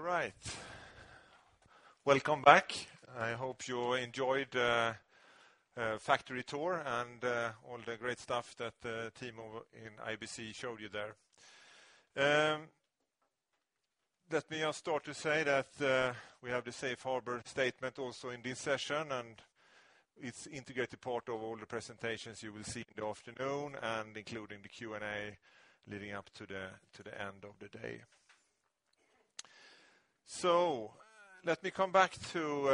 All right. Welcome back. I hope you enjoyed the factory tour and all the great stuff that the team over in IBC showed you there. Let me start to say that we have the safe harbor statement also in this session, and it's integrated part of all the presentations you will see in the afternoon and including the Q&A leading up to the end of the day. Let me come back to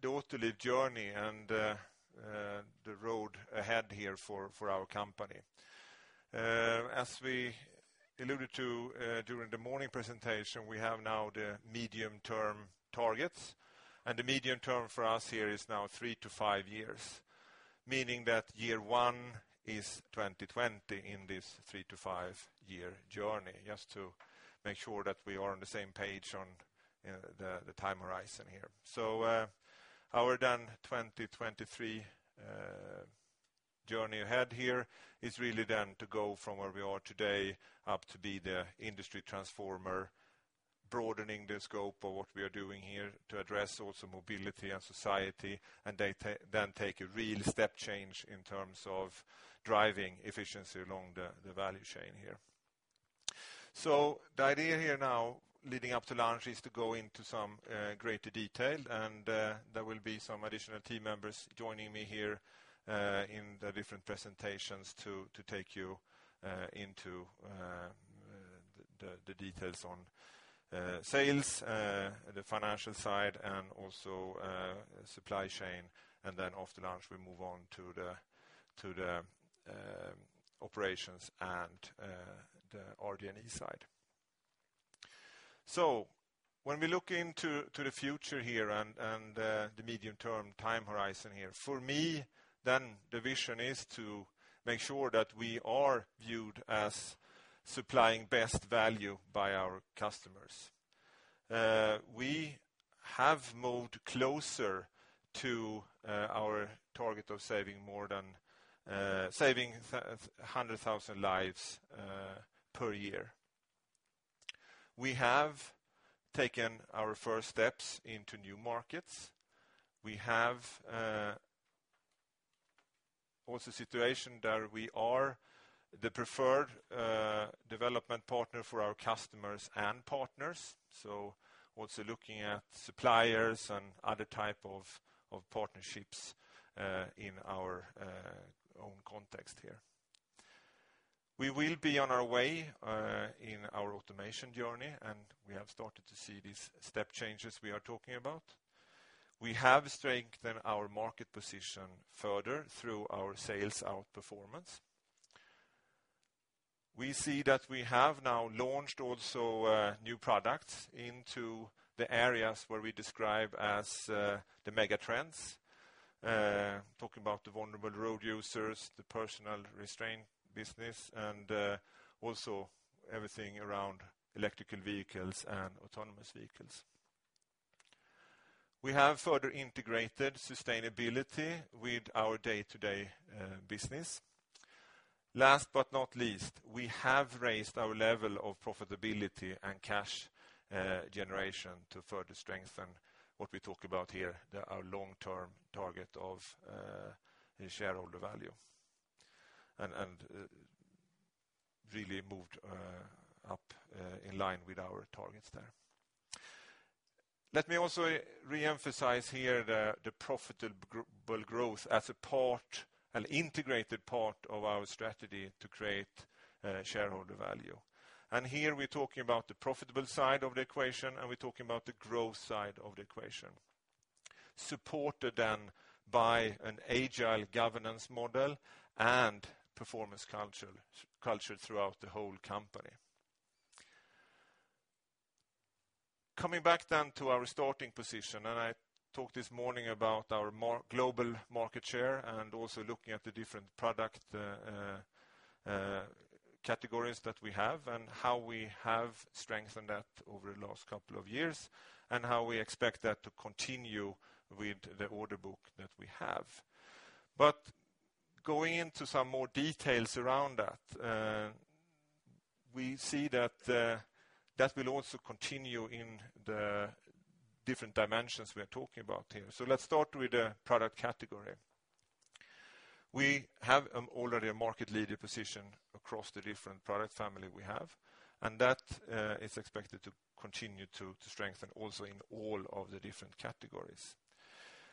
the Autoliv journey and the road ahead here for our company. As we alluded to during the morning presentation, we have now the medium-term targets, and the medium term for us here is now three to five years. Meaning that year one is 2020 in this three to five-year journey. Just to make sure that we are on the same page on the time horizon here. Our 2023 journey ahead here is really to go from where we are today up to be the industry transformer, broadening the scope of what we are doing here to address also mobility and society, and take a real step change in terms of driving efficiency along the value chain here. The idea here now leading up to launch is to go into some greater detail, and there will be some additional team members joining me here in the different presentations to take you into the details on sales, the financial side, and also supply chain. After launch, we move on to the operations and the RD&E side. When we look into the future here and the medium-term time horizon here, for me, the vision is to make sure that we are viewed as supplying best value by our customers. We have moved closer to our target of saving 100,000 lives per year. We have taken our first steps into new markets. We have also a situation where we are the preferred development partner for our customers and partners. Also looking at suppliers and other type of partnerships in our own context here. We will be on our way in our automation journey, and we have started to see these step changes we are talking about. We have strengthened our market position further through our sales outperformance. We see that we have now launched also new products into the areas where we describe as the mega trends. Talking about the vulnerable road users, the personal restraint business, and also everything around electrical vehicles and autonomous vehicles. We have further integrated sustainability with our day-to-day business. Last but not least, we have raised our level of profitability and cash generation to further strengthen what we talk about here, our long-term target of shareholder value, and really moved up in line with our targets there. Let me also reemphasize here the profitable growth as an integrated part of our strategy to create shareholder value. Here we're talking about the profitable side of the equation, and we're talking about the growth side of the equation, supported then by an agile governance model and performance culture throughout the whole company. Coming back then to our starting position, and I talked this morning about our global market share and also looking at the different product categories that we have and how we have strengthened that over the last couple of years, and how we expect that to continue with the order book that we have. Going into some more details around that, we see that will also continue in the different dimensions we're talking about here. Let's start with the product category. We have already a market leader position across the different product family we have, and that is expected to continue to strengthen also in all of the different categories.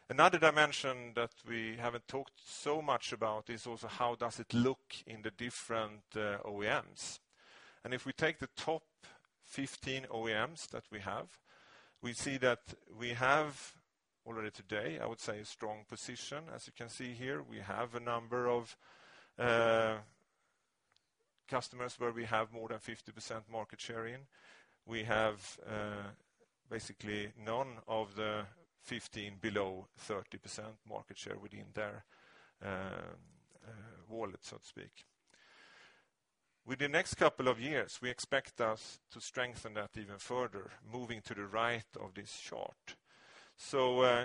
Another dimension that we haven't talked so much about is also how does it look in the different OEMs. If we take the top 15 OEMs that we have, we see that we have already today, I would say, a strong position. As you can see here, we have a number of customers where we have more than 50% market share in. We have basically none of the 15 below 30% market share within their wallet, so to speak. With the next couple of years, we expect us to strengthen that even further, moving to the right of this chart.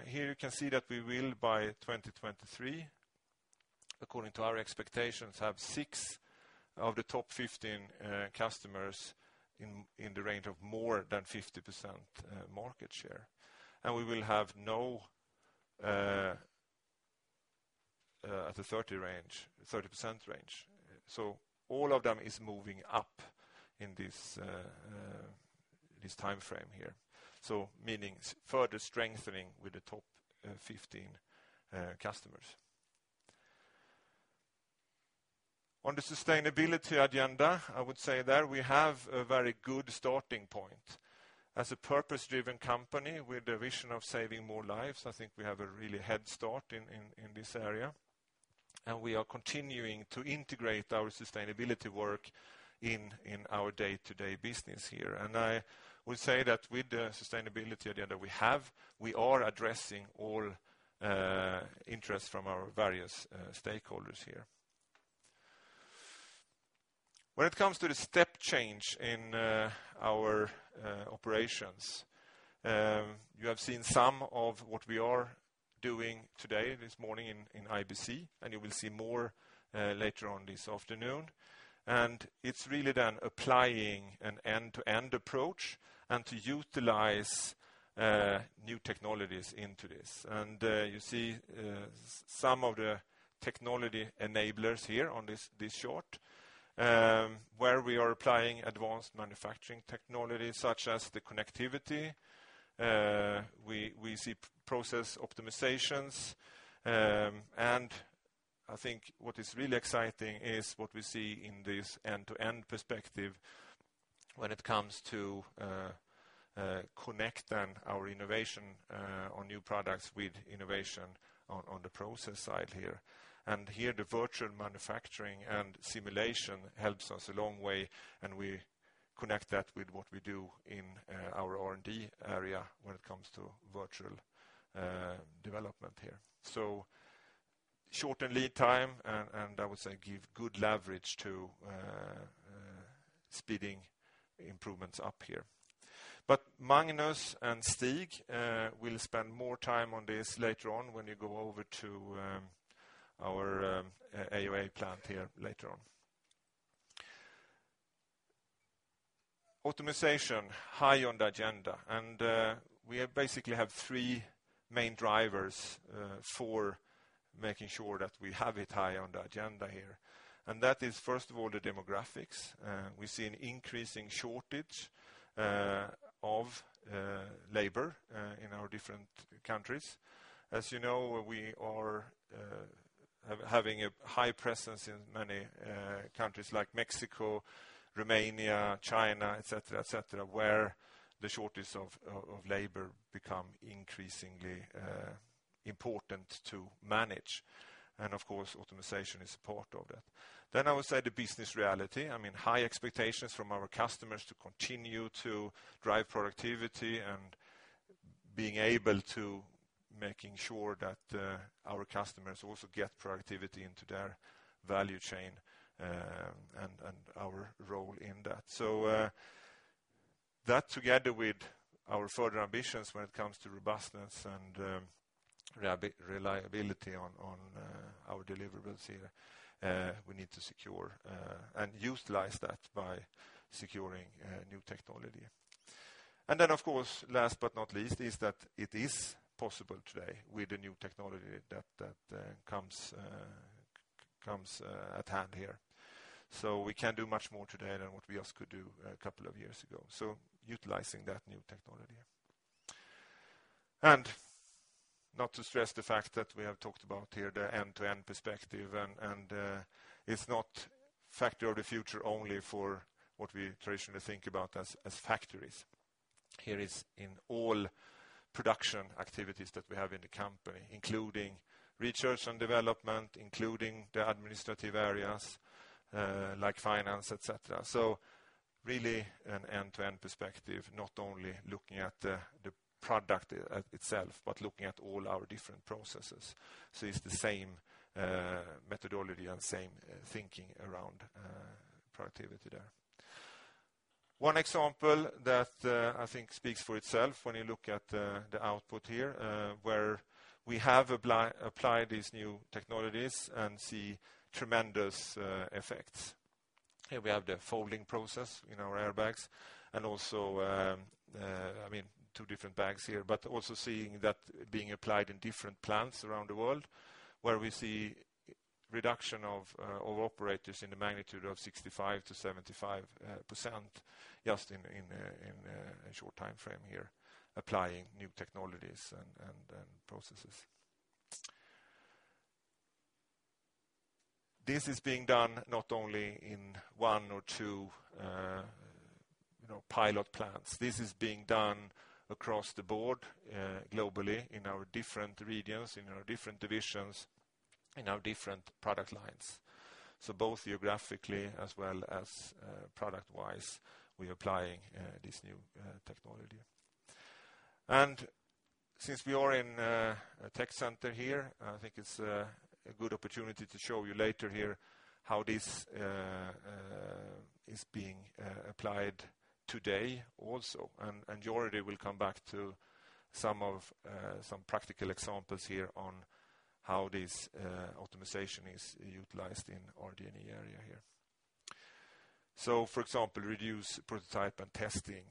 Here you can see that we will, by 2023, according to our expectations, have six of the top 15 customers in the range of more than 50% market share. We will have no at the 30% range. All of them is moving up in this timeframe here. Meaning further strengthening with the top 15 customers. On the sustainability agenda, I would say there we have a very good starting point. As a purpose-driven company with a vision of saving more lives, I think we have a really head start in this area, and we are continuing to integrate our sustainability work in our day-to-day business here. I will say that with the sustainability agenda we have, we are addressing all interest from our various stakeholders here. When it comes to the step change in our operations, you have seen some of what we are doing today, this morning in IBC, and you will see more later on this afternoon. It's really then applying an end-to-end approach and to utilize new technologies into this. You see some of the technology enablers here on this shot, where we are applying advanced manufacturing technology such as the connectivity. We see process optimizations. I think what is really exciting is what we see in this end-to-end perspective when it comes to connect our innovation on new products with innovation on the process side here. Here, the virtual manufacturing and simulation helps us a long way, and we connect that with what we do in our RD&E area when it comes to virtual development here. Shortened lead time, and I would say give good leverage to speeding improvements up here. Magnus and Stig will spend more time on this later on when you go over to our AOA plant here later on. Automation, high on the agenda. We basically have three main drivers for making sure that we have it high on the agenda here. That is, first of all, the demographics. We see an increasing shortage of labor in our different countries. As you know, we are having a high presence in many countries like Mexico, Romania, China, et cetera, where the shortage of labor become increasingly important to manage. Of course, automation is part of that. I would say the business reality, high expectations from our customers to continue to drive productivity and being able to making sure that our customers also get productivity into their value chain, and our role in that. That together with our further ambitions when it comes to robustness and reliability on our deliverables here, we need to secure, and utilize that by securing new technology. Of course, last but not least, is that it is possible today with the new technology that comes at hand here. We can do much more today than what we could do a couple of years ago. Utilizing that new technology. Not to stress the fact that we have talked about here, the end-to-end perspective, and it's not factory of the future only for what we traditionally think about as factories. Here is in all production activities that we have in the company, including research and development, including the administrative areas like finance, et cetera. Really an end-to-end perspective, not only looking at the product itself, but looking at all our different processes. It's the same methodology and same thinking around productivity there. One example that I think speaks for itself when you look at the output here, where we have applied these new technologies and see tremendous effects. Here we have the folding process in our airbags, and also two different bags here, but also seeing that being applied in different plants around the world, where we see reduction of operators in the magnitude of 65%-75% just in a short timeframe here, applying new technologies and processes. This is being done not only in one or two pilot plants. This is being done across the board globally, in our different regions, in our different divisions, in our different product lines. Both geographically as well as product-wise, we are applying this new technology. Since we are in a tech center here, I think it's a good opportunity to show you later here how this is being applied today also. Jordi will come back to some practical examples here on how this optimization is utilized in our R&D area here. For example, reduce prototype and testing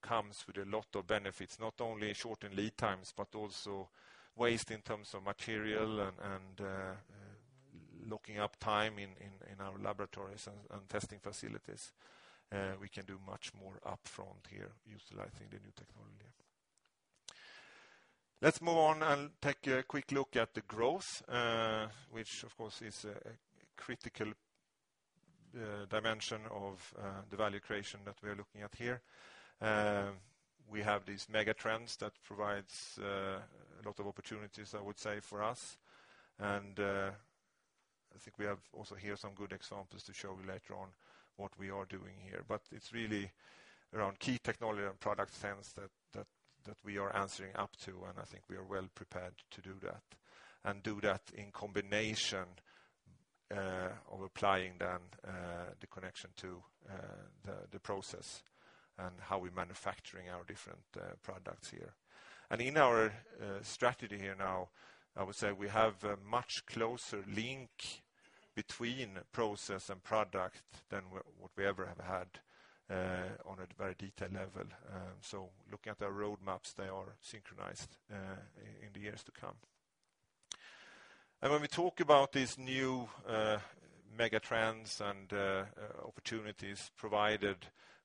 comes with a lot of benefits, not only shorten lead times, but also waste in terms of material and locking up time in our laboratories and testing facilities. We can do much more upfront here utilizing the new technology. Let's move on and take a quick look at the growth, which, of course, is a critical dimension of the value creation that we are looking at here. We have these mega trends that provides a lot of opportunities, I would say, for us. I think we have also here some good examples to show you later on what we are doing here. It's really around key technology and product sense that we are answering up to, and I think we are well prepared to do that. Do that in combination of applying then, the connection to the process and how we're manufacturing our different products here. In our strategy here now, I would say we have a much closer link between process and product than what we ever have had on a very detailed level. Looking at our roadmaps, they are synchronized in the years to come. When we talk about these new mega trends and opportunities provided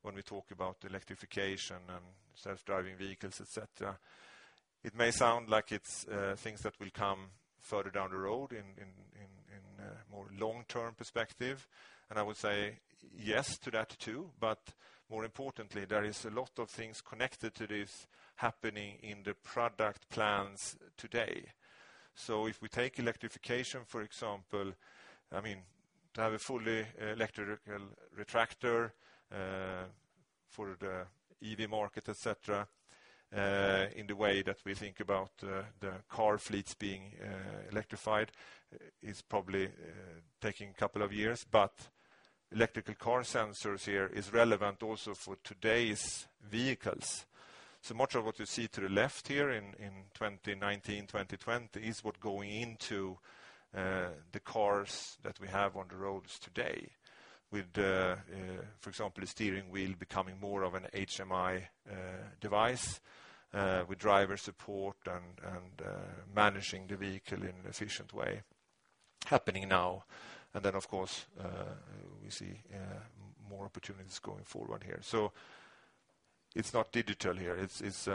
when we talk about electrification and self-driving vehicles, et cetera, it may sound like it's things that will come further down the road in a more long-term perspective. I would say yes to that too, but more importantly, there is a lot of things connected to this happening in the product plans today. If we take electrification, for example, to have a fully electrical retractor for the EV market, et cetera, in the way that we think about the car fleets being electrified is probably taking a couple of years. Electrical car sensors here is relevant also for today's vehicles. Much of what you see to the left here in 2019, 2020 is what going into the cars that we have on the roads today. With, for example, the steering wheel becoming more of an HMI device, with driver support, and managing the vehicle in an efficient way happening now. Of course, we see more opportunities going forward here. It's not digital here. It's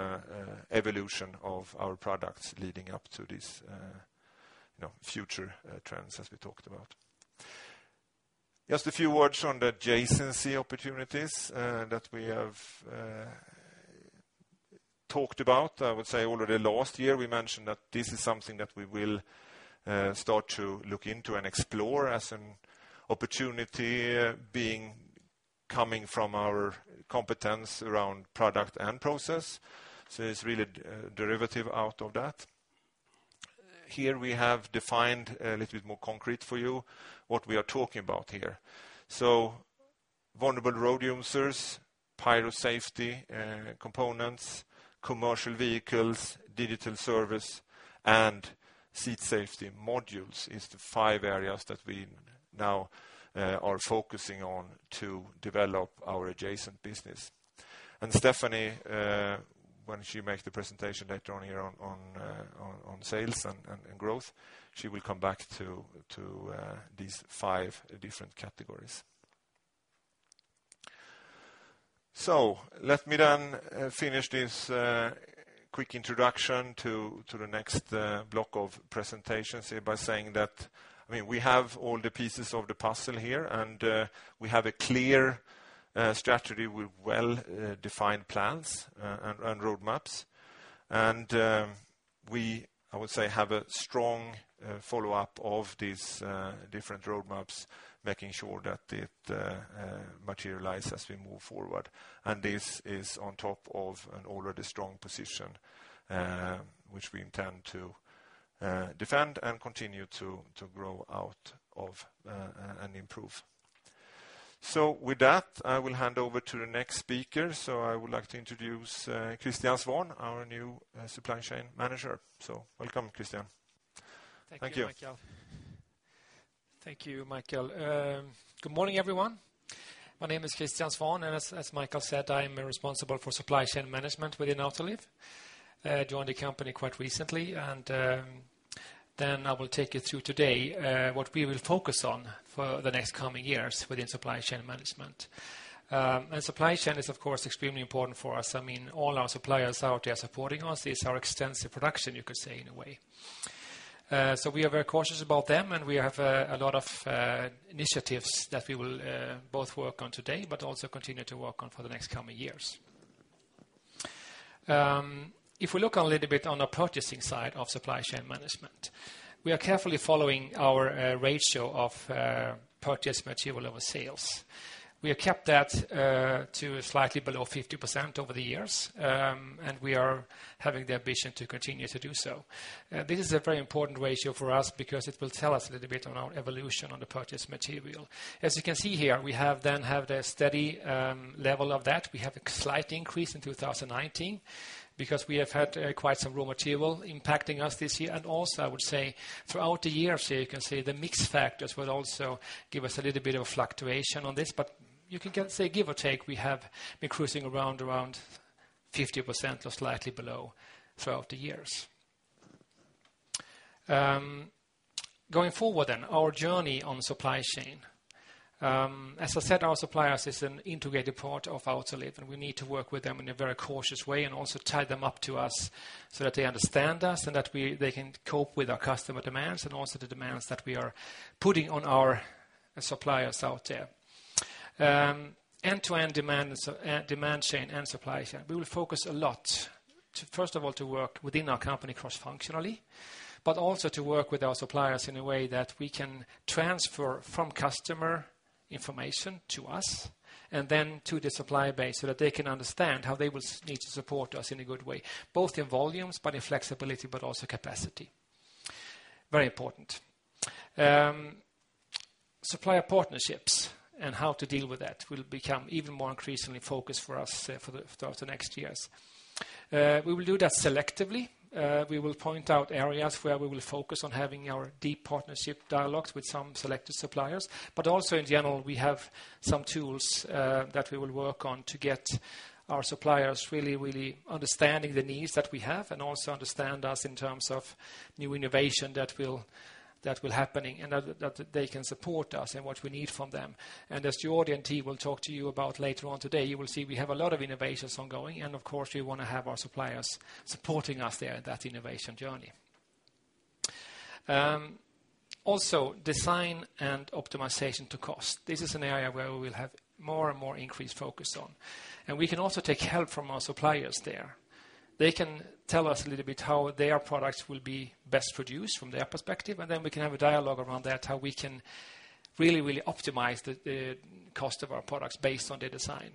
evolution of our products leading up to these future trends as we talked about. Just a few words on the adjacency opportunities that we have talked about. I would say already last year, we mentioned that this is something that we will start to look into and explore as an opportunity coming from our competence around product and process. It's really derivative out of that. Here we have defined a little bit more concrete for you what we are talking about here. Vulnerable road users, Pyro Safety components, commercial vehicles, digital service, and Seat Safety Modules is the five areas that we now are focusing on to develop our adjacent business. Stephanie, when she makes the presentation later on here on sales and growth, she will come back to these five different categories. Let me then finish this quick introduction to the next block of presentations here by saying that we have all the pieces of the puzzle here, and we have a clear strategy with well-defined plans and roadmaps. We, I would say, have a strong follow-up of these different roadmaps, making sure that it materialize as we move forward. This is on top of an already strong position, which we intend to defend and continue to grow out of and improve. With that, I will hand over to the next speaker. I would like to introduce Christian Swahn, our new supply chain manager. Welcome, Christian. Thank you. Thank you, Mikael. Good morning, everyone. My name is Christian Swahn, and as Mikael said, I am responsible for supply chain management within Autoliv. Joined the company quite recently, and then I will take you through today what we will focus on for the next coming years within supply chain management. Supply chain is, of course, extremely important for us. All our suppliers out there supporting us, this our extensive production, you could say, in a way. We are very cautious about them, and we have a lot of initiatives that we will both work on today, but also continue to work on for the next coming years. If we look a little bit on the purchasing side of supply chain management, we are carefully following our ratio of purchased material over sales. We have kept that to slightly below 50% over the years, and we are having the ambition to continue to do so. This is a very important ratio for us because it will tell us a little bit on our evolution on the purchased material. As you can see here, we have then have the steady level of that. We have a slight increase in 2019 because we have had quite some raw material impacting us this year. Also, I would say, throughout the year, so you can see the mix factors will also give us a little bit of fluctuation on this, but you can say give or take, we have been cruising around 50% or slightly below throughout the years. Going forward then, our journey on supply chain. As I said, our suppliers is an integrated part of Autoliv, and we need to work with them in a very cautious way and also tie them up to us so that they understand us and that they can cope with our customer demands and also the demands that we are putting on our suppliers out there. End-to-end demand chain and supply chain, we will focus a lot, first of all, to work within our company cross-functionally, but also to work with our suppliers in a way that we can transfer from customer information to us, and then to the supplier base, so that they can understand how they will need to support us in a good way, both in volumes but in flexibility, but also capacity. Very important. Supplier partnerships and how to deal with that will become even more increasingly focused for us throughout the next years. We will do that selectively. We will point out areas where we will focus on having our deep partnership dialogues with some selected suppliers, but also, in general, we have some tools that we will work on to get our suppliers really understanding the needs that we have and also understand us in terms of new innovation that will happening and that they can support us in what we need from them. As Jordi and team will talk to you about later on today, you will see we have a lot of innovations ongoing, and of course, we want to have our suppliers supporting us there in that innovation journey. Also, design and optimization to cost. This is an area where we will have more and more increased focus on, and we can also take help from our suppliers there. They can tell us a little bit how their products will be best produced from their perspective. Then we can have a dialogue around that, how we can really optimize the cost of our products based on their design.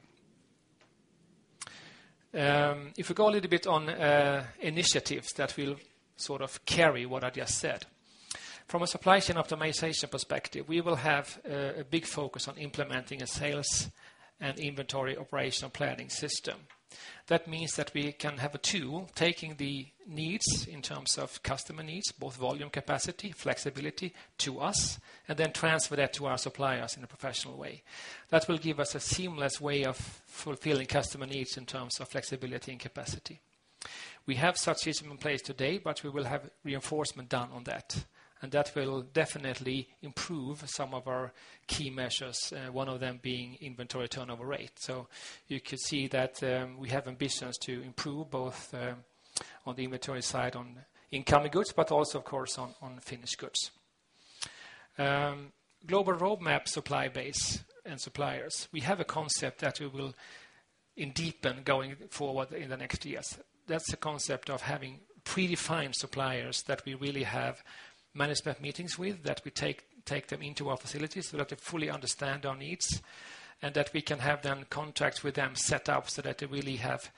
If we go a little bit on initiatives that will sort of carry what I just said. From a supply chain optimization perspective, we will have a big focus on implementing a sales and inventory operational planning system. That means that we can have a tool taking the needs in terms of customer needs, both volume capacity, flexibility to us. Then transfer that to our suppliers in a professional way. That will give us a seamless way of fulfilling customer needs in terms of flexibility and capacity. We have such system in place today, but we will have reinforcement done on that, and that will definitely improve some of our key measures, one of them being inventory turnover rate. You can see that we have ambitions to improve both on the inventory side on incoming goods, but also, of course, on finished goods. Global roadmap supply base and suppliers. We have a concept that we will endear going forward in the next years. That's the concept of having predefined suppliers that we really have management meetings with, that we take them into our facilities so that they fully understand our needs, and that we can have them contracts with them set up so that they really have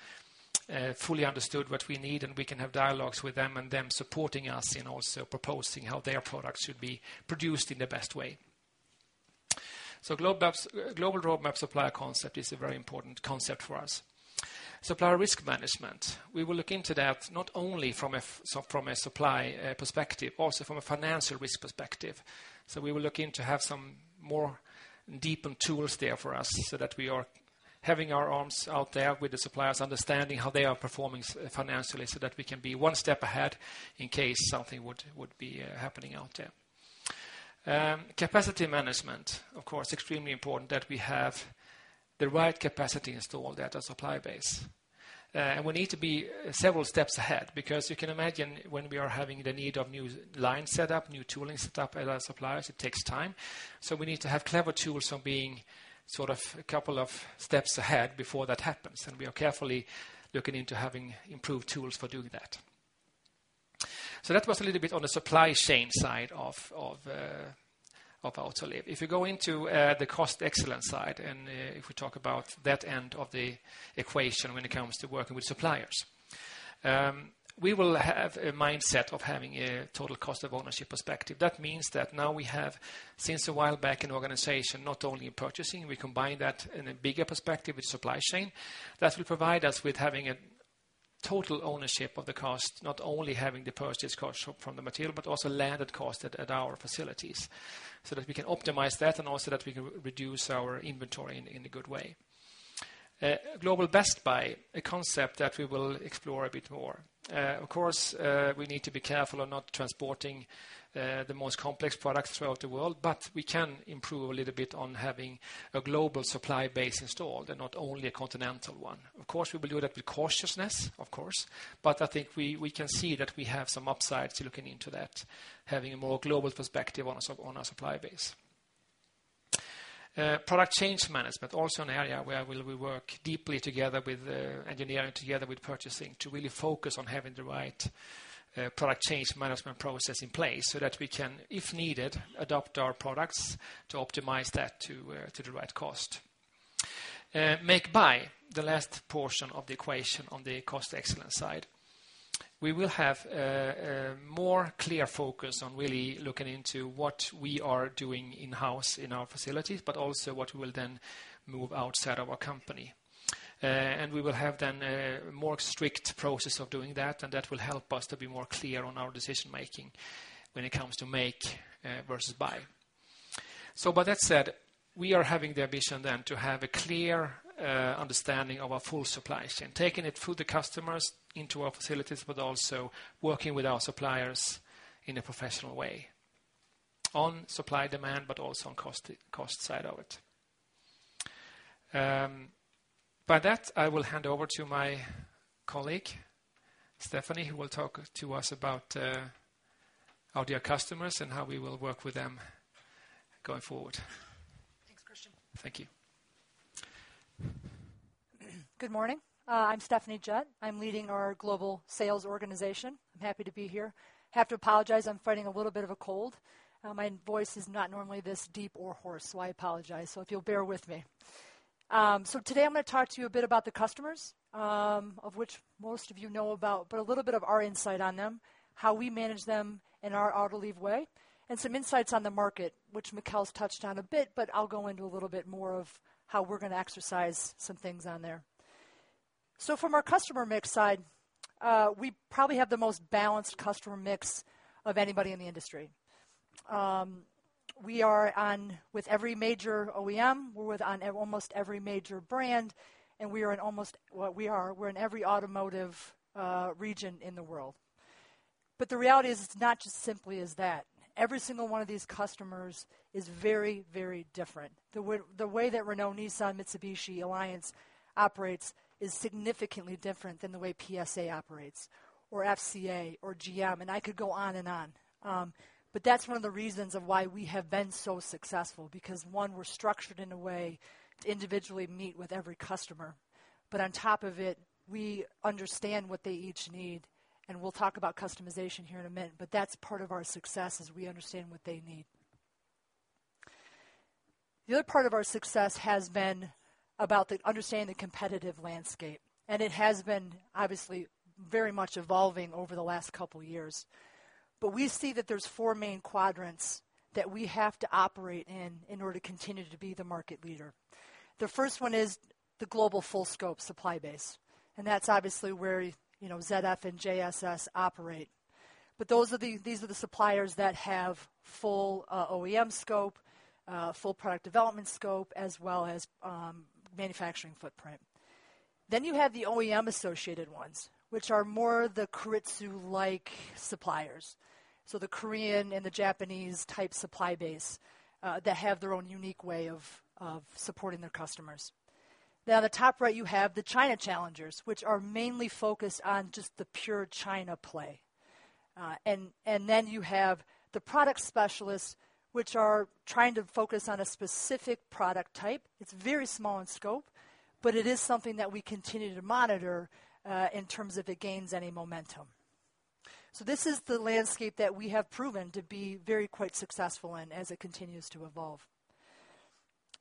fully understood what we need, and we can have dialogues with them and them supporting us in also proposing how their product should be produced in the best way. Global roadmap supplier concept is a very important concept for us. Supplier risk management, we will look into that not only from a supply perspective, also from a financial risk perspective. We will look into have some more deepened tools there for us so that we are having our arms out there with the suppliers, understanding how they are performing financially, so that we can be one step ahead in case something would be happening out there. Capacity management, of course, extremely important that we have the right capacity installed at our supply base. We need to be several steps ahead because you can imagine when we are having the need of new line set up, new tooling set up at our suppliers, it takes time. We need to have clever tools on being sort of a couple of steps ahead before that happens, and we are carefully looking into having improved tools for doing that. That was a little bit on the supply chain side of Autoliv. If you go into the cost excellence side, and if we talk about that end of the equation when it comes to working with suppliers. We will have a mindset of having a total cost of ownership perspective. That means that now we have, since a while back, an organization, not only in purchasing, we combine that in a bigger perspective with supply chain. That will provide us with having a total ownership of the cost, not only having the purchase cost from the material, but also landed cost at our facilities so that we can optimize that and also that we can reduce our inventory in a good way. Global best buy, a concept that we will explore a bit more. Of course, we need to be careful on not transporting the most complex products throughout the world, but we can improve a little bit on having a global supply base installed and not only a continental one. Of course, we will do that with cautiousness, of course, but I think we can see that we have some upsides looking into that, having a more global perspective on our supply base. Product change management, also an area where we work deeply together with engineering, together with purchasing, to really focus on having the right product change management process in place so that we can, if needed, adapt our products to optimize that to the right cost. Make/buy, the last portion of the equation on the cost excellence side. We will have a more clear focus on really looking into what we are doing in-house in our facilities, but also what we will then move outside of our company. We will have then a more strict process of doing that, and that will help us to be more clear on our decision-making when it comes to make versus buy. With that said, we are having the ambition then to have a clear understanding of our full supply chain, taking it through the customers into our facilities, but also working with our suppliers in a professional way on supply-demand, but also on cost side of it. By that, I will hand over to my colleague, Stephanie, who will talk to us about our dear customers and how we will work with them going forward. Thanks, Christian. Thank you. Good morning. I'm Stephanie Jett. I'm leading our global sales organization. I'm happy to be here. Have to apologize, I'm fighting a little bit of a cold. My voice is not normally this deep or hoarse, so I apologize, so if you'll bear with me. Today, I'm gonna talk to you a bit about the customers, of which most of you know about, but a little bit of our insight on them, how we manage them in our Autoliv way, and some insights on the market, which Mikael's touched on a bit, but I'll go into a little bit more of how we're gonna exercise some things on there. From our customer mix side, we probably have the most balanced customer mix of anybody in the industry. We are on with every major OEM. We're with on almost every major brand, and we are in every automotive region in the world. The reality is it's not just simply as that. Every single one of these customers is very different. The way that Renault-Nissan-Mitsubishi Alliance operates is significantly different than the way PSA operates, or FCA or GM, and I could go on and on. That's one of the reasons of why we have been so successful, because one, we're structured in a way to individually meet with every customer. On top of it, we understand what they each need, and we'll talk about customization here in a minute, but that's part of our success is we understand what they need. The other part of our success has been about understanding the competitive landscape, and it has been, obviously, very much evolving over the last couple of years. We see that there's four main quadrants that we have to operate in in order to continue to be the market leader. The first one is the global full-scope supply base, and that's obviously where ZF and JSS operate. These are the suppliers that have full OEM scope, full product development scope, as well as manufacturing footprint. You have the OEM-associated ones, which are more the keiretsu-like suppliers. The Korean and the Japanese-type supply base, that have their own unique way of supporting their customers. The top right, you have the China challengers, which are mainly focused on just the pure China play. You have the product specialists, which are trying to focus on a specific product type. It's very small in scope, but it is something that we continue to monitor in terms of it gains any momentum. This is the landscape that we have proven to be very quite successful in as it continues to evolve.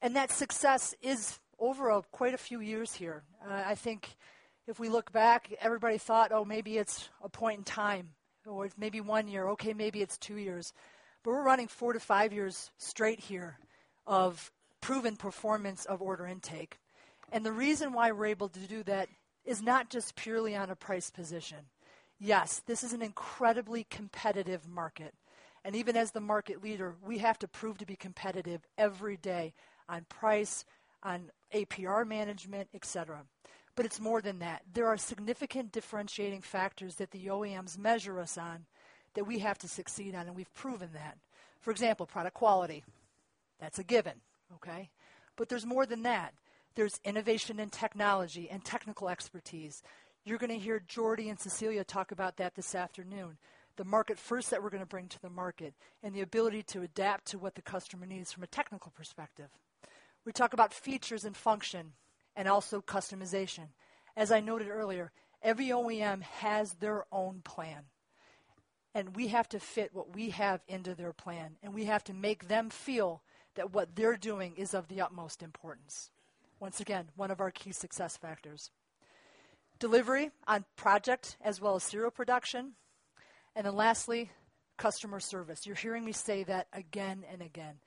That success is over quite a few years here. I think if we look back, everybody thought, oh, maybe it's a point in time, or maybe one year, okay, maybe it's two years. We're running four to five years straight here of proven performance of order intake. The reason why we're able to do that is not just purely on a price position. Yes, this is an incredibly competitive market, and even as the market leader, we have to prove to be competitive every day on price, on APR management, et cetera. It's more than that. There are significant differentiating factors that the OEMs measure us on that we have to succeed on, and we've proven that. For example, product quality. That's a given, okay? There's more than that. There's innovation in technology and technical expertise. You're gonna hear Jordi and Cecilia talk about that this afternoon. The market first that we're gonna bring to the market and the ability to adapt to what the customer needs from a technical perspective. We talk about features and function and also customization. As I noted earlier, every OEM has their own plan, and we have to fit what we have into their plan, and we have to make them feel that what they're doing is of the utmost importance. Once again, one of our key success factors. Delivery on project as well as serial production. Lastly, customer service. You're hearing me say that again and again.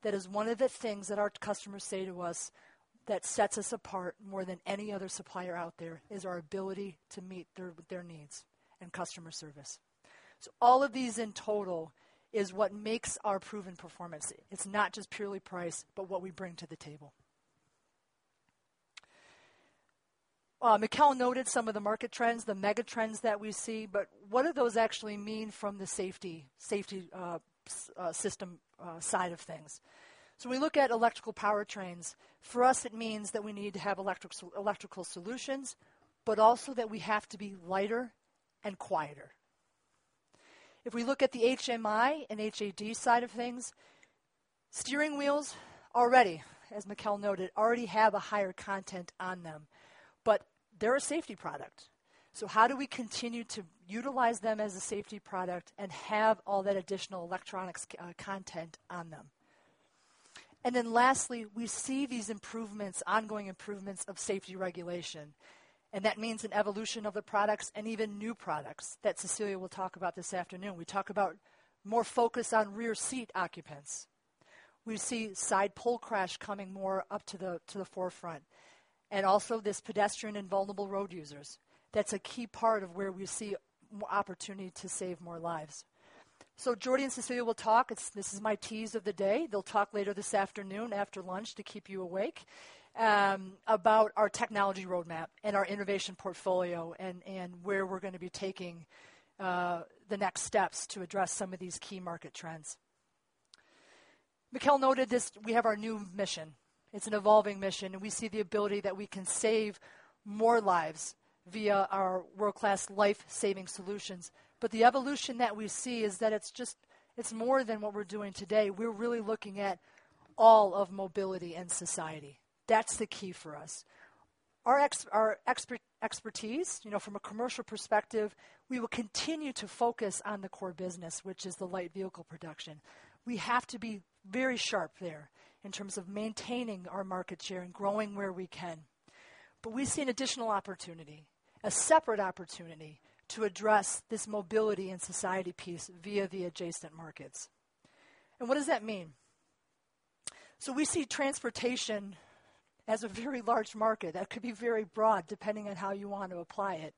That is one of the things that our customers say to us that sets us apart more than any other supplier out there, is our ability to meet their needs and customer service. All of these in total is what makes our proven performance. It's not just purely price, but what we bring to the table. Mikael noted some of the market trends, the mega trends that we see, but what do those actually mean from the safety system side of things? We look at electrical powertrains. For us, it means that we need to have electrical solutions, but also that we have to be lighter and quieter. If we look at the HMI and HAD side of things, steering wheels already, as Mikael noted, already have a higher content on them, but they're a safety product. How do we continue to utilize them as a safety product and have all that additional electronics content on them? Lastly, we see these ongoing improvements of safety regulation, and that means an evolution of the products and even new products that Cecilia will talk about this afternoon. We talk about more focus on rear seat occupants. We see side pole crash coming more up to the forefront, also this pedestrian and vulnerable road users. That's a key part of where we see more opportunity to save more lives. Jordi and Cecilia will talk. This is my tease of the day. They'll talk later this afternoon after lunch to keep you awake, about our technology roadmap and our innovation portfolio and where we're going to be taking the next steps to address some of these key market trends. Mikael noted this, we have our new mission. It's an evolving mission. We see the ability that we can save more lives via our world-class life-saving solutions. The evolution that we see is that it's more than what we're doing today. We're really looking at all of mobility and society. That's the key for us. Our expertise from a commercial perspective, we will continue to focus on the core business, which is the light vehicle production. We have to be very sharp there in terms of maintaining our market share and growing where we can. We see an additional opportunity, a separate opportunity, to address this mobility and society piece via the adjacent markets. What does that mean? We see transportation as a very large market that could be very broad depending on how you want to apply it.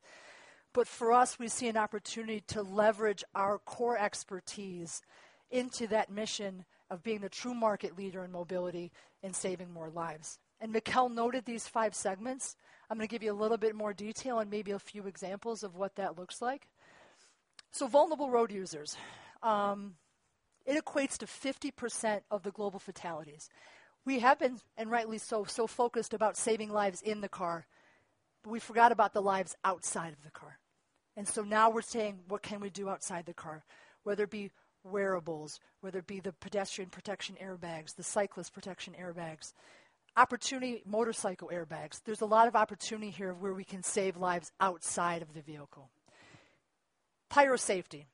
For us, we see an opportunity to leverage our core expertise into that mission of being the true market leader in mobility and saving more lives. Mikael noted these five segments. I'm going to give you a little bit more detail and maybe a few examples of what that looks like. Vulnerable road users. It equates to 50% of the global fatalities. We have been, and rightly so, focused about saving lives in the car, but we forgot about the lives outside of the car. Now we're saying, "What can we do outside the car?" Whether it be wearables, whether it be the pedestrian protection airbags, the cyclist protection airbags, motorcycle airbags. There's a lot of opportunity here where we can save lives outside of the vehicle. Pyro Safety.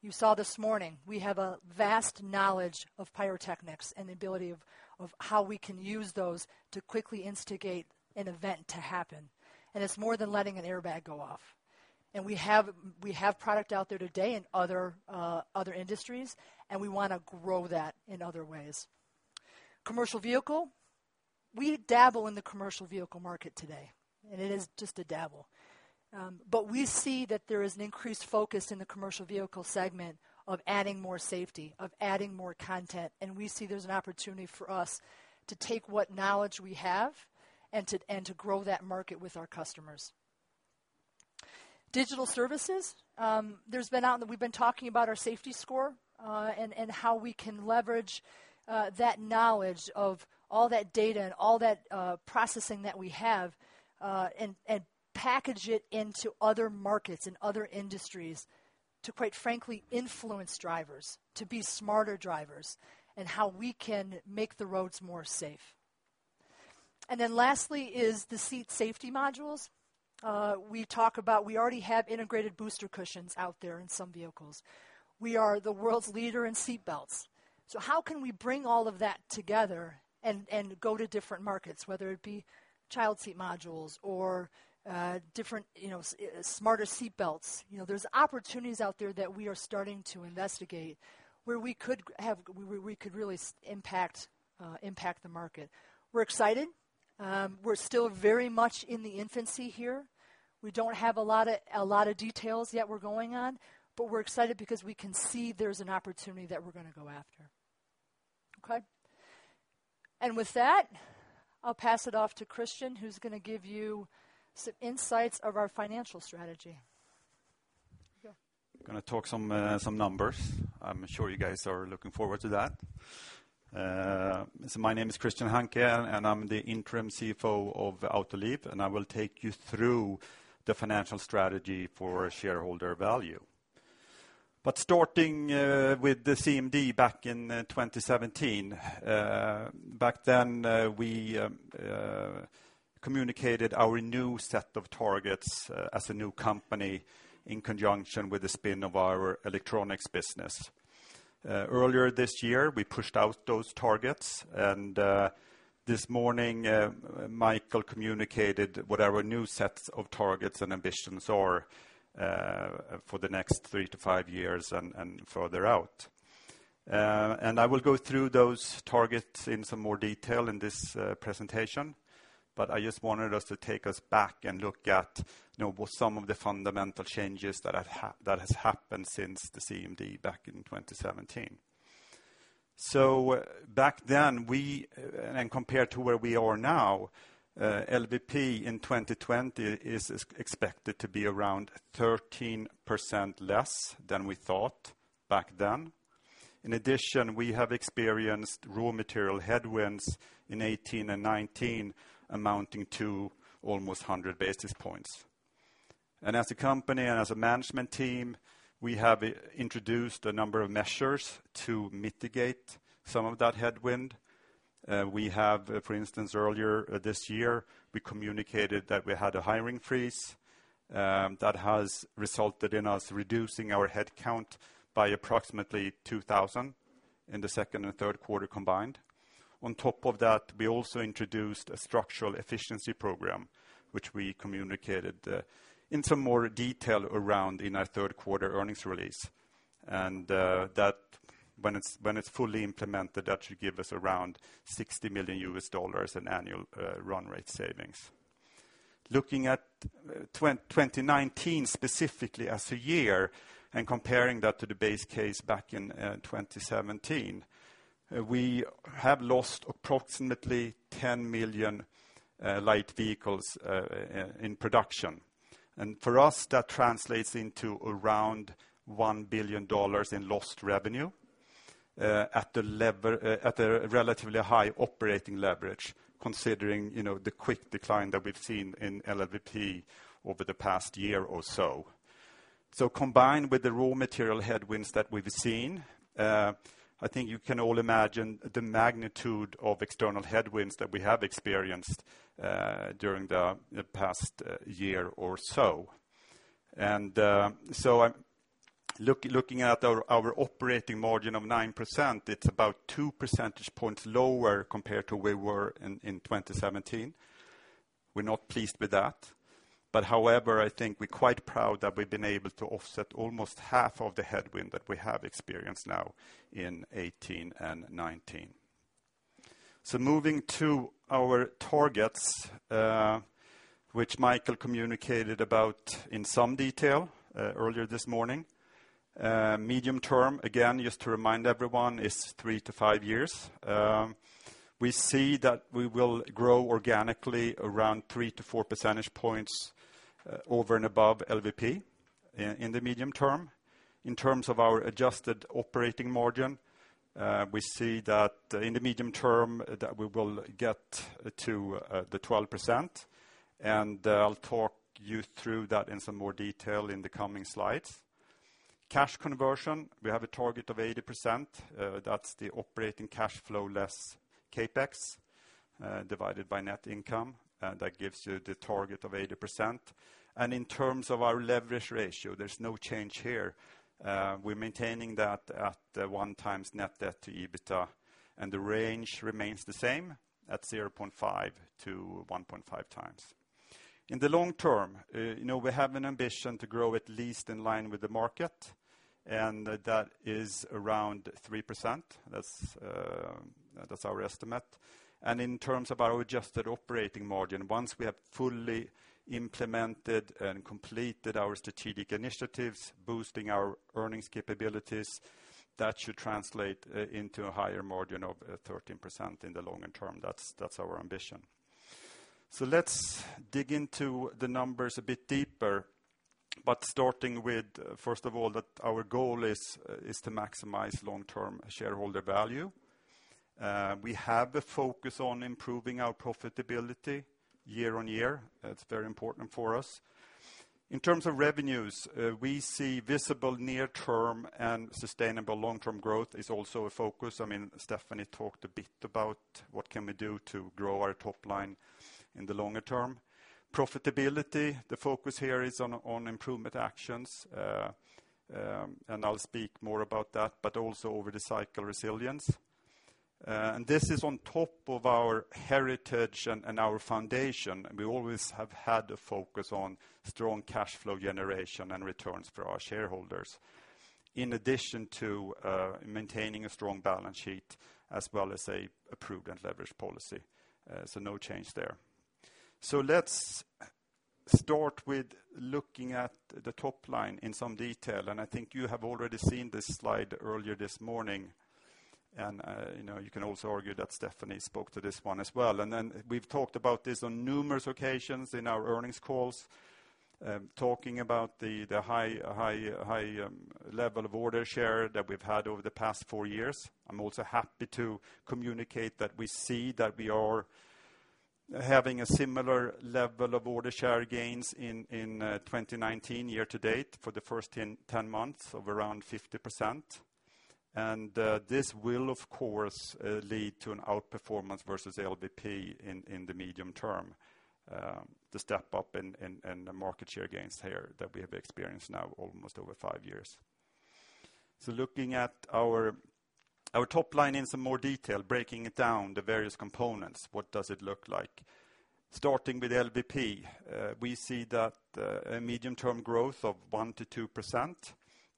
You saw this morning, we have a vast knowledge of pyrotechnics and the ability of how we can use those to quickly instigate an event to happen. It's more than letting an airbag go off. We have product out there today in other industries, and we want to grow that in other ways. Commercial vehicle. We dabble in the commercial vehicle market today, and it is just a dabble. We see that there is an increased focus in the commercial vehicle segment of adding more safety, of adding more content, and we see there's an opportunity for us to take what knowledge we have and to grow that market with our customers. Digital services. We've been talking about our Safety Score, and how we can leverage that knowledge of all that data and all that processing that we have, and package it into other markets and other industries to, quite frankly, influence drivers to be smarter drivers, and how we can make the roads more safe. Lastly is the seat safety modules. We talk about we already have integrated booster cushions out there in some vehicles. We are the world's leader in seatbelts. How can we bring all of that together and go to different markets, whether it be child seat modules or smarter seatbelts? There's opportunities out there that we are starting to investigate where we could really impact the market. We're excited. We're still very much in the infancy here. We don't have a lot of details yet we're going on, but we're excited because we can see there's an opportunity that we're going to go after. Okay. With that, I'll pass it off to Christian, who's going to give you some insights of our financial strategy. I'm going to talk some numbers. I'm sure you guys are looking forward to that. My name is Christian Hanke, and I'm the Interim CFO of Autoliv, and I will take you through the financial strategy for shareholder value. Starting with the CMD back in 2017. Back then, we communicated our new set of targets as a new company in conjunction with the spin of our electronics business. Earlier this year, we pushed out those targets, and this morning, Mikael communicated what our new sets of targets and ambitions are for the next three to five years and further out. I will go through those targets in some more detail in this presentation, but I just wanted us to take us back and look at what some of the fundamental changes that has happened since the CMD back in 2017. Back then and compared to where we are now, LVP in 2020 is expected to be around 13% less than we thought back then. In addition, we have experienced raw material headwinds in 2018 and 2019 amounting to almost 100 basis points. As a company and as a management team, we have introduced a number of measures to mitigate some of that headwind. For instance, earlier this year, we communicated that we had a hiring freeze that has resulted in us reducing our headcount by approximately 2,000 in the second and third quarter combined. On top of that, we also introduced a structural efficiency program, which we communicated in some more detail around in our third quarter earnings release. When it's fully implemented, that should give us around $60 million in annual run rate savings. Looking at 2019 specifically as a year and comparing that to the base case back in 2017, we have lost approximately 10 million light vehicles in production. For us, that translates into around $1 billion in lost revenue at a relatively high operating leverage considering the quick decline that we've seen in LVP over the past year or so. Combined with the raw material headwinds that we've seen. I think you can all imagine the magnitude of external headwinds that we have experienced during the past year or so. Looking at our operating margin of 9%, it's about two percentage points lower compared to where we were in 2017. We're not pleased with that. However, I think we're quite proud that we've been able to offset almost half of the headwind that we have experienced now in 2018 and 2019. Moving to our targets, which Mikael communicated about in some detail earlier this morning. Medium term, again, just to remind everyone, is three to five years. We see that we will grow organically around 3-4 percentage points over and above LVP in the medium term. In terms of our adjusted operating margin, we see that in the medium term that we will get to the 12%, and I'll talk you through that in some more detail in the coming slides. Cash conversion, we have a target of 80%. That's the operating cash flow less CapEx divided by net income, and that gives you the target of 80%. In terms of our leverage ratio, there's no change here. We're maintaining that at 1 times net debt to EBITDA, and the range remains the same at 0.5x to 1.5x. In the long term, we have an ambition to grow at least in line with the market, that is around 3%. That's our estimate. In terms of our adjusted operating margin, once we have fully implemented and completed our strategic initiatives, boosting our earnings capabilities, that should translate into a higher margin of 13% in the longer term. That's our ambition. Let's dig into the numbers a bit deeper. Starting with, first of all, that our goal is to maximize long-term shareholder value. We have a focus on improving our profitability year-on-year. That's very important for us. In terms of revenues, we see visible near-term and sustainable long-term growth is also a focus. Stephanie talked a bit about what can we do to grow our top line in the longer term. Profitability, the focus here is on improvement actions. I'll speak more about that, but also over the cycle resilience. This is on top of our heritage and our foundation. We always have had a focus on strong cash flow generation and returns for our shareholders. In addition to maintaining a strong balance sheet as well as a prudent leverage policy. No change there. Let's start with looking at the top line in some detail. I think you have already seen this slide earlier this morning. You can also argue that Stephanie spoke to this one as well. We've talked about this on numerous occasions in our earnings calls, talking about the high level of order share that we've had over the past four years. I'm also happy to communicate that we see that we are having a similar level of order share gains in 2019 year to date for the first 10 months of around 50%. This will, of course, lead to an outperformance versus LVP in the medium term, the step up in the market share gains here that we have experienced now almost over five years. Looking at our top line in some more detail, breaking down the various components, what does it look like? Starting with LVP, we see that a medium-term growth of 1%-2%,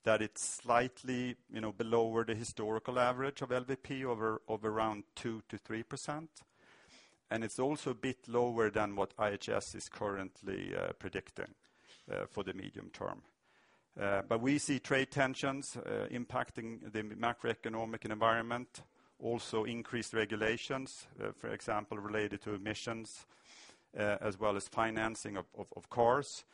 that it's slightly below the historical average of LVP of around 2%-3%. It's also a bit lower than what IHS is currently predicting for the medium term. We see trade tensions impacting the macroeconomic environment. Also, increased regulations, for example, related to emissions, as well as financing of cars.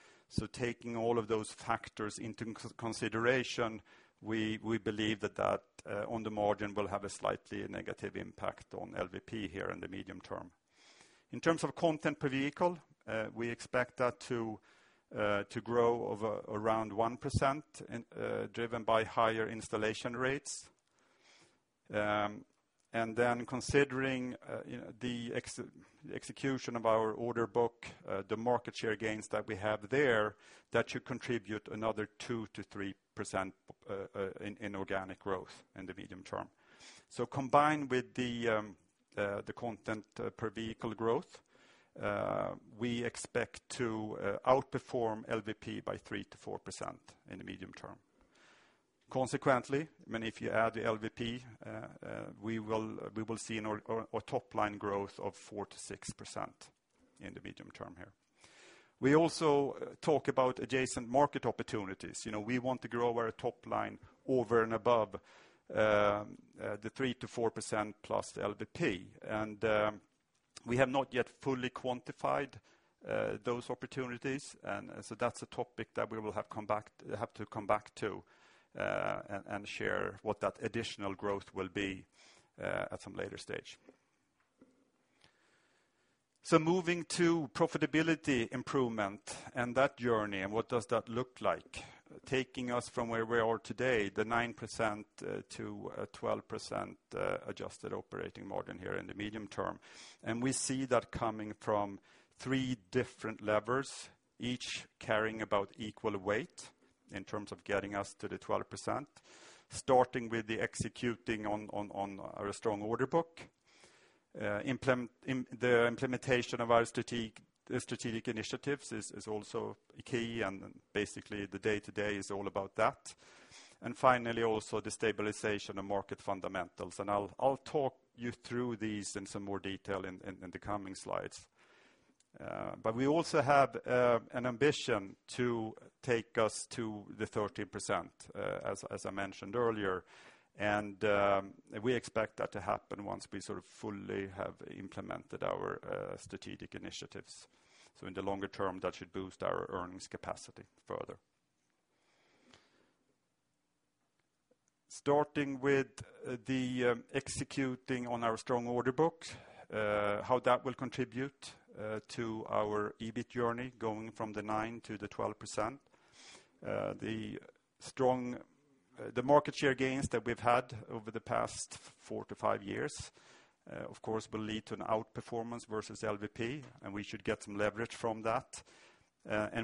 Taking all of those factors into consideration, we believe that on the margin will have a slightly negative impact on LVP here in the medium term. In terms of content per vehicle, we expect that to grow over around 1% driven by higher installation rates. Considering the execution of our order book, the market share gains that we have there, that should contribute another 2%-3% in organic growth in the medium term. Combined with the content per vehicle growth, we expect to outperform LVP by 3%-4% in the medium term. Consequently, if you add the LVP, we will see a top-line growth of 4%-6% in the medium term here. We also talk about adjacent market opportunities. We want to grow our top line over and above the 3%-4% plus LVP. We have not yet fully quantified those opportunities. That's a topic that we will have to come back to and share what that additional growth will be at some later stage. Moving to profitability improvement and that journey and what does that look like? Taking us from where we are today, the 9% to a 12% adjusted operating margin here in the medium term. We see that coming from three different levers, each carrying about equal weight in terms of getting us to the 12%. Starting with the executing on our strong order book. The implementation of our strategic initiatives is also key, and basically, the day-to-day is all about that. Finally, also the stabilization of market fundamentals. I'll talk you through these in some more detail in the coming slides. We also have an ambition to take us to the 13%, as I mentioned earlier, and we expect that to happen once we sort of fully have implemented our strategic initiatives. In the longer term, that should boost our earnings capacity further. Starting with the executing on our strong order book, how that will contribute to our EBIT journey going from the 9% to the 12%. The market share gains that we've had over the past four to five years, of course, will lead to an outperformance versus LVP, and we should get some leverage from that.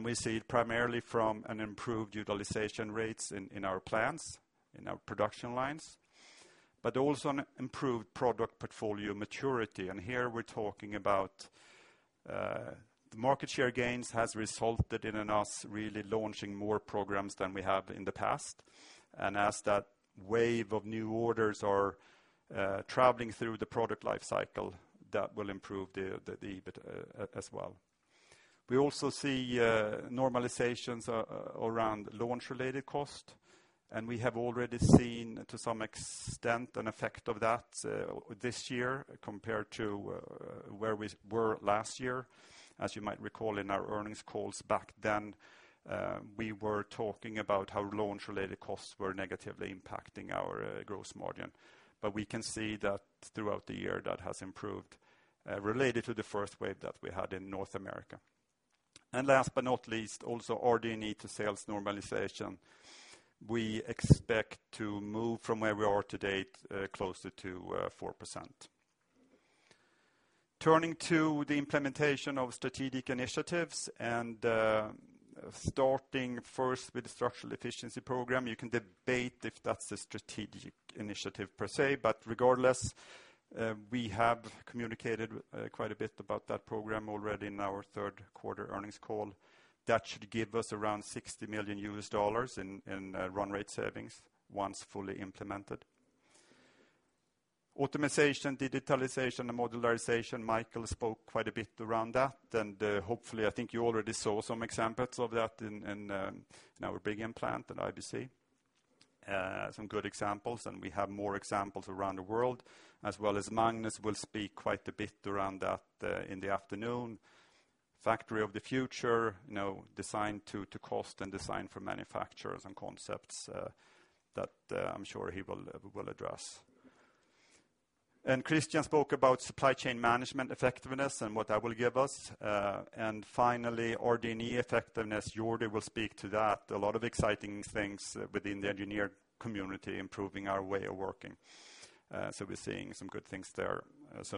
We see it primarily from an improved utilization rates in our plants, in our production lines, but also an improved product portfolio maturity. Here we're talking about the market share gains has resulted in us really launching more programs than we have in the past. As that wave of new orders are traveling through the product life cycle, that will improve the EBIT as well. We also see normalizations around launch related cost, we have already seen to some extent an effect of that this year compared to where we were last year. As you might recall in our earnings calls back then, we were talking about how launch related costs were negatively impacting our gross margin. We can see that throughout the year that has improved related to the first wave that we had in North America. Last but not least, also RD&E to sales normalization. We expect to move from where we are to date closer to 4%. Turning to the implementation of strategic initiatives and starting first with the Structural Efficiency Program. You can debate if that's a strategic initiative per se, but regardless, we have communicated quite a bit about that program already in our third quarter earnings call. That should give us around $60 million in run rate savings once fully implemented. Automization, digitalization, and modularization, Mikael spoke quite a bit around that. Hopefully, I think you already saw some examples of that in our Brigham plant at IBC. Some good examples, and we have more examples around the world, as well as Magnus will speak quite a bit around that in the afternoon. Factory of the future, design to cost and design for manufacturers and concepts that I'm sure he will address. Christian spoke about supply chain management effectiveness and what that will give us. Finally, RD&E effectiveness, Jordi will speak to that. A lot of exciting things within the engineer community, improving our way of working. We're seeing some good things there.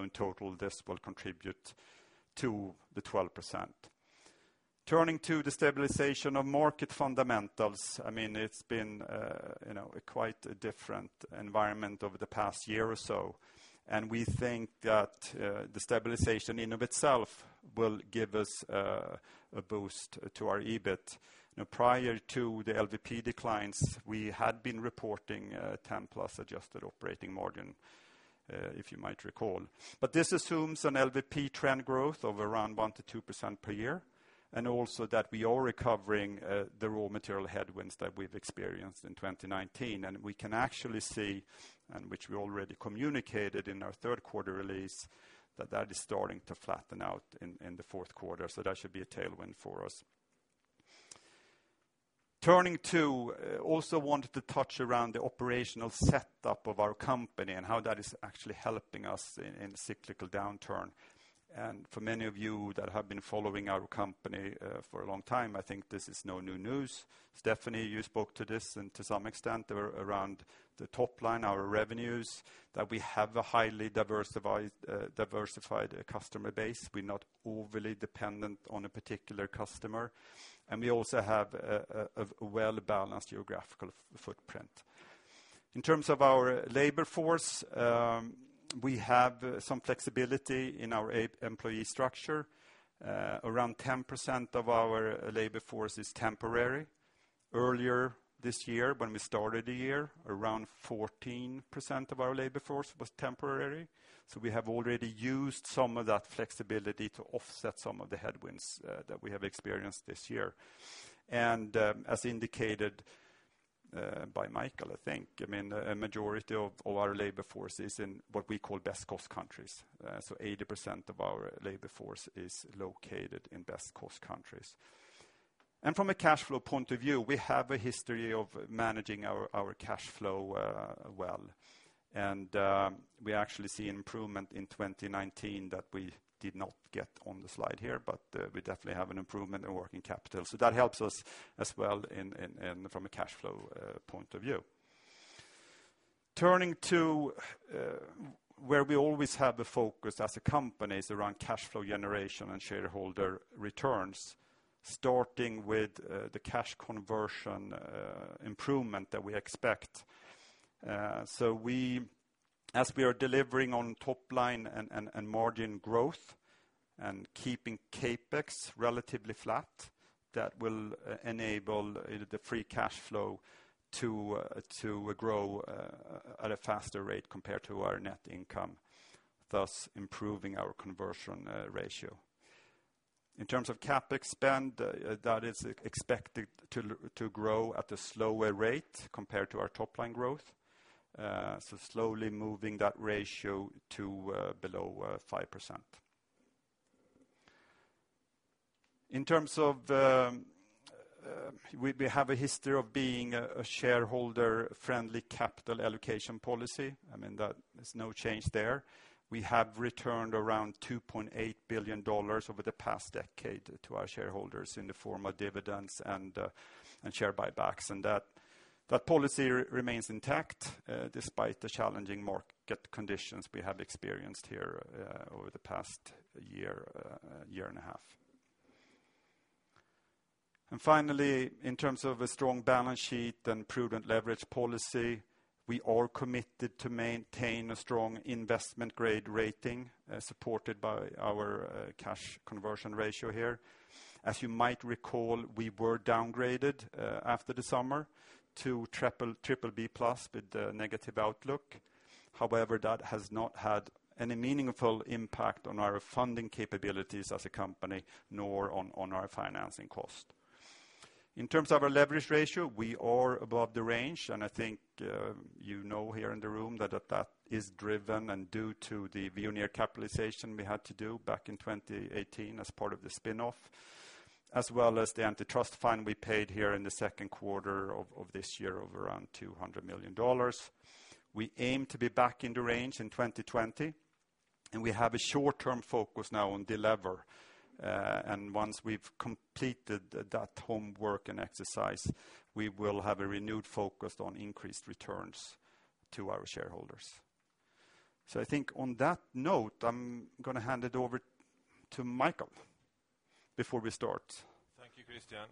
In total, this will contribute to the 12%. Turning to the stabilization of market fundamentals. It's been quite a different environment over the past year or so, and we think that the stabilization in of itself will give us a boost to our EBIT. Prior to the LVP declines, we had been reporting a 10+ adjusted operating margin, if you might recall. This assumes an LVP trend growth of around 1%-2% per year, and also that we are recovering the raw material headwinds that we've experienced in 2019. We can actually see, and which we already communicated in our third quarter release, that is starting to flatten out in the fourth quarter, so that should be a tailwind for us. Also wanted to touch around the operational setup of our company and how that is actually helping us in the cyclical downturn. For many of you that have been following our company for a long time, I think this is no new news. Stephanie, you spoke to this and to some extent around the top line, our revenues, that we have a highly diversified customer base. We're not overly dependent on a particular customer, and we also have a well-balanced geographical footprint. In terms of our labor force, we have some flexibility in our employee structure. Around 10% of our labor force is temporary. Earlier this year, when we started the year, around 14% of our labor force was temporary. We have already used some of that flexibility to offset some of the headwinds that we have experienced this year. As indicated by Mikael, I think, a majority of our labor force is in what we call best cost countries. 80% of our labor force is located in best cost countries. From a cash flow point of view, we have a history of managing our cash flow well. We actually see improvement in 2019 that we did not get on the slide here, but we definitely have an improvement in working capital. That helps us as well from a cash flow point of view. Turning to where we always have a focus as a company is around cash flow generation and shareholder returns, starting with the cash conversion improvement that we expect. As we are delivering on top line and margin growth and keeping CapEx relatively flat, that will enable the free cash flow to grow at a faster rate compared to our net income, thus improving our conversion ratio. In terms of CapEx spend, that is expected to grow at a slower rate compared to our top line growth. Slowly moving that ratio to below 5%. We have a history of being a shareholder-friendly capital allocation policy. There's no change there. We have returned around $2.8 billion over the past decade to our shareholders in the form of dividends and share buybacks. That policy remains intact despite the challenging market conditions we have experienced here over the past year and a half. Finally, in terms of a strong balance sheet and prudent leverage policy, we are committed to maintain a strong investment grade rating, supported by our cash conversion ratio here. As you might recall, we were downgraded after the summer to triple B plus with a negative outlook. That has not had any meaningful impact on our funding capabilities as a company, nor on our financing cost. In terms of our leverage ratio, we are above the range, and I think you know here in the room that is driven and due to the Veoneer capitalization we had to do back in 2018 as part of the spin-off, as well as the antitrust fine we paid here in the second quarter of this year of around SEK 200 million. We aim to be back in the range in 2020. We have a short-term focus now on delever. Once we've completed that homework and exercise, we will have a renewed focus on increased returns to our shareholders. I think on that note, I'm going to hand it over to Mikael before we start. Thank you, Christian.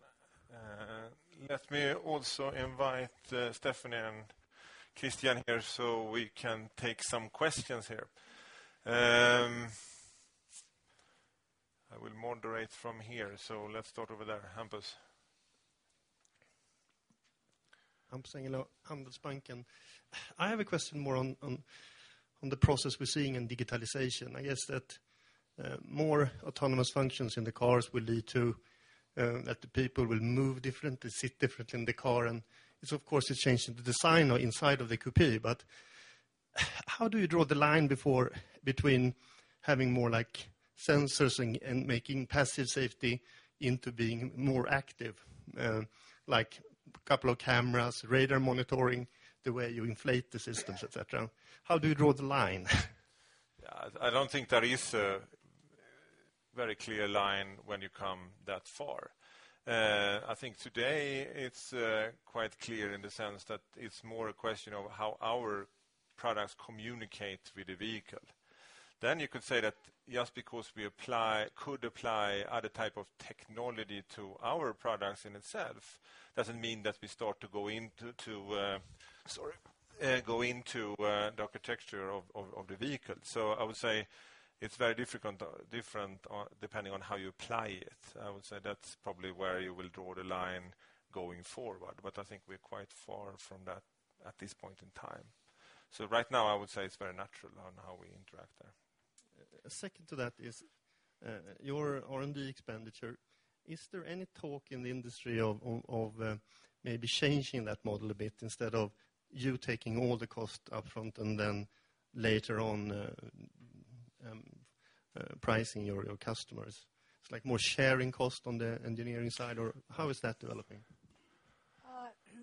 Let me also invite Stephanie and Christian here so we can take some questions here. I will moderate from here. Let's start over there. Hampus. Hampus Engellau, Handelsbanken. I have a question more on the process we're seeing in digitalization. I guess that more autonomous functions in the cars will lead to that the people will move differently, sit different in the car, and of course, it's changing the design inside of the coupe, but how do you draw the line between having more sensors and making passive safety into being more active? Like a couple of cameras, radar monitoring, the way you inflate the systems, et cetera. How do you draw the line? I don't think there is a very clear line when you come that far. I think today it's quite clear in the sense that it's more a question of how our products communicate with the vehicle. You could say that just because we could apply other type of technology to our products in itself, doesn't mean that we start to go into the architecture of the vehicle. I would say it's very different depending on how you apply it. I would say that's probably where you will draw the line going forward. I think we're quite far from that at this point in time. Right now, I would say it's very natural on how we interact there. A second to that is your R&D expenditure. Is there any talk in the industry of maybe changing that model a bit instead of you taking all the cost up front and then later on pricing your customers? It's like more sharing cost on the engineering side, or how is that developing?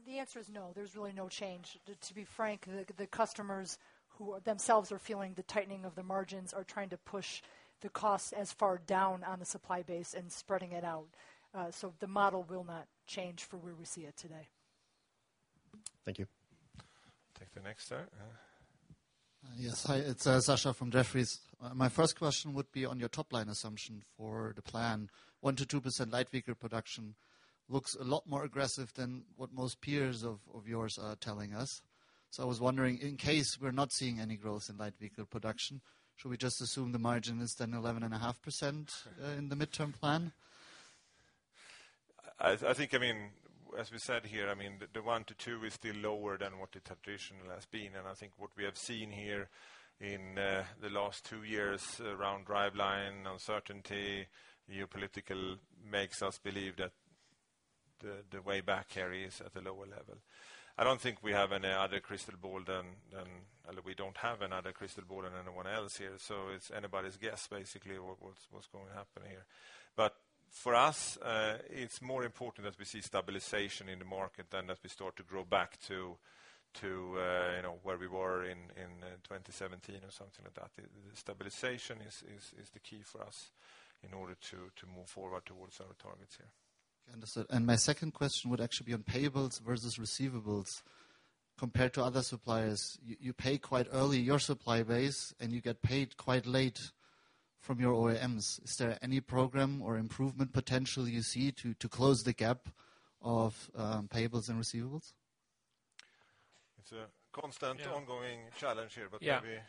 The answer is no, there's really no change. To be frank, the customers who themselves are feeling the tightening of the margins are trying to push the cost as far down on the supply base and spreading it out. The model will not change from where we see it today. Thank you. Take the next. Yes. Hi, it's Sascha from Jefferies. My first question would be on your top-line assumption for the plan. 1%-2% light vehicle production looks a lot more aggressive than what most peers of yours are telling us. I was wondering, in case we're not seeing any growth in light vehicle production, should we just assume the margin is then 11.5% in the midterm plan? As we said here, the 1%-2% is still lower than what it traditionally has been. I think what we have seen here in the last two years around driveline uncertainty, geopolitical makes us believe that the way back here is at a lower level. We don't have another crystal ball than anyone else here. It's anybody's guess basically what's going to happen here. For us, it's more important that we see stabilization in the market than that we start to grow back to where we were in 2017 or something like that. The stabilization is the key for us in order to move forward towards our targets here. Understood. My second question would actually be on payables versus receivables compared to other suppliers. You pay quite early your supply base, and you get paid quite late from your OEMs. Is there any program or improvement potential you see to close the gap of payables and receivables? It's a constant ongoing challenge here, but maybe-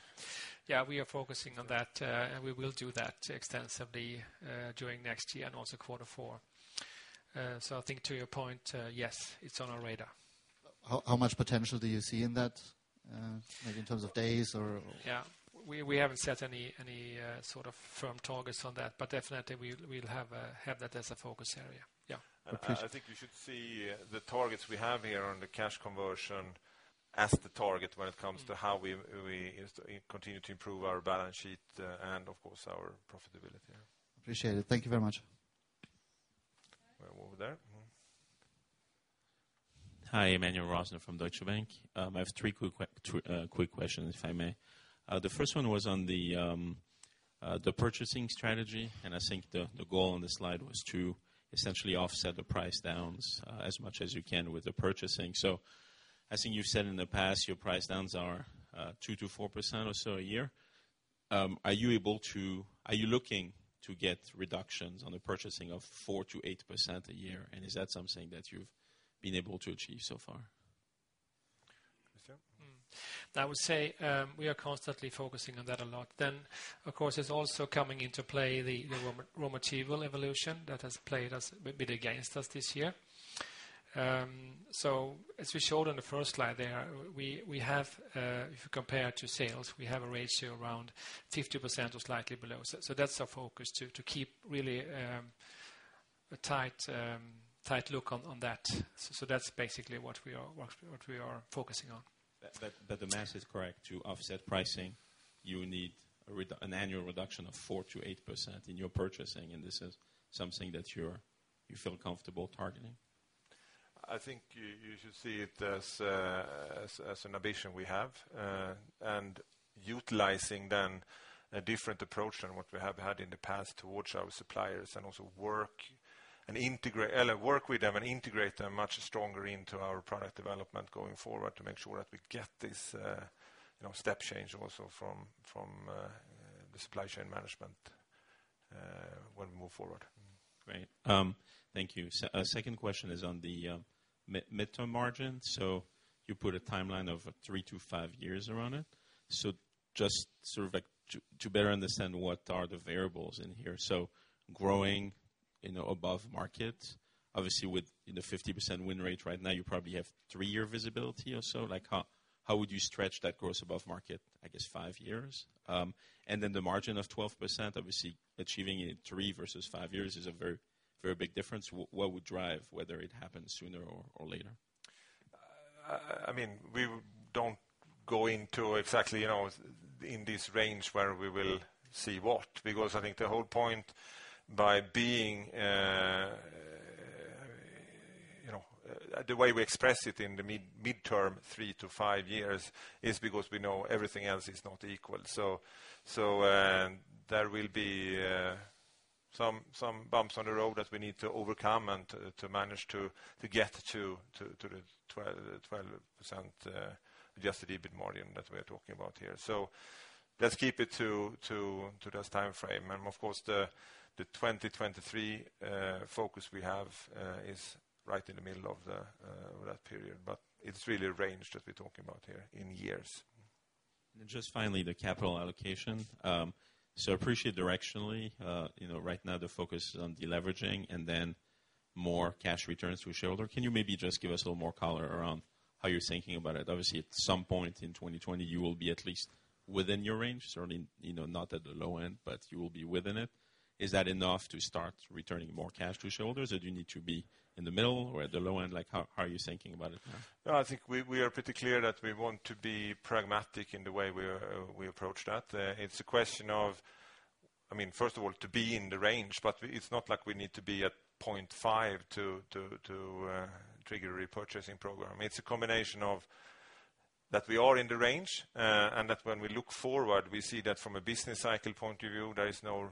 Yeah. We are focusing on that, and we will do that extensively during next year and also quarter four. I think to your point, yes, it's on our radar. How much potential do you see in that maybe in terms of days or? Yeah. We haven't set any sort of firm targets on that, but definitely we'll have that as a focus area. Yeah. Appreciate. I think you should see the targets we have here on the cash conversion as the target when it comes to how we continue to improve our balance sheet and of course our profitability. Appreciate it. Thank you very much. Over there. Hi. Emmanuel Rosner from Deutsche Bank. I have three quick questions, if I may. The first one was on the purchasing strategy, I think the goal on the slide was to essentially offset the price downs as much as you can with the purchasing. I think you've said in the past your price downs are 2%-4% or so a year. Are you looking to get reductions on the purchasing of 4%-8% a year, and is that something that you've been able to achieve so far? Christian? I would say we are constantly focusing on that a lot. Of course, it's also coming into play the raw material evolution that has played a bit against us this year. As we showed on the first slide there, if we compare to sales, we have a ratio around 50% or slightly below. That's our focus to keep really a tight look on that. That's basically what we are focusing on. The math is correct. To offset pricing, you need an annual reduction of 4%-8% in your purchasing, and this is something that you feel comfortable targeting? I think you should see it as an ambition we have, and utilizing then a different approach than what we have had in the past towards our suppliers and also work with them and integrate them much stronger into our product development going forward to make sure that we get this step change also from the supply chain management when we move forward. Great. Thank you. Second question is on the midterm margin. You put a timeline of three-five years around it. Just to better understand what are the variables in here. Growing above market, obviously with the 50% win rate right now, you probably have three-year visibility or so. How would you stretch that growth above market? I guess five years. The margin of 12%, obviously achieving it in three versus five years is a very big difference. What would drive whether it happens sooner or later? We don't go into exactly in this range where we will see what, because I think the whole point by The way we express it in the midterm three-five years is because we know everything else is not equal. There will be some bumps on the road that we need to overcome and to manage to get to the 12% adjusted EBIT margin that we are talking about here. Let's keep it to this timeframe. Of course, the 2023 focus we have is right in the middle of that period, but it's really a range that we're talking about here in years. Just finally, the capital allocation. Appreciate directionally. Right now the focus is on deleveraging and then more cash returns to a shareholder. Can you maybe just give us a little more color around how you're thinking about it? Obviously, at some point in 2020, you will be at least within your range, certainly not at the low end, but you will be within it. Is that enough to start returning more cash to shareholders, or do you need to be in the middle or at the low end? How are you thinking about it now? No, I think we are pretty clear that we want to be pragmatic in the way we approach that. It's a question of, first of all, to be in the range, but it's not like we need to be at 0.5 to trigger a repurchasing program. It's a combination of that we are in the range, and that when we look forward, we see that from a business cycle point of view, there is no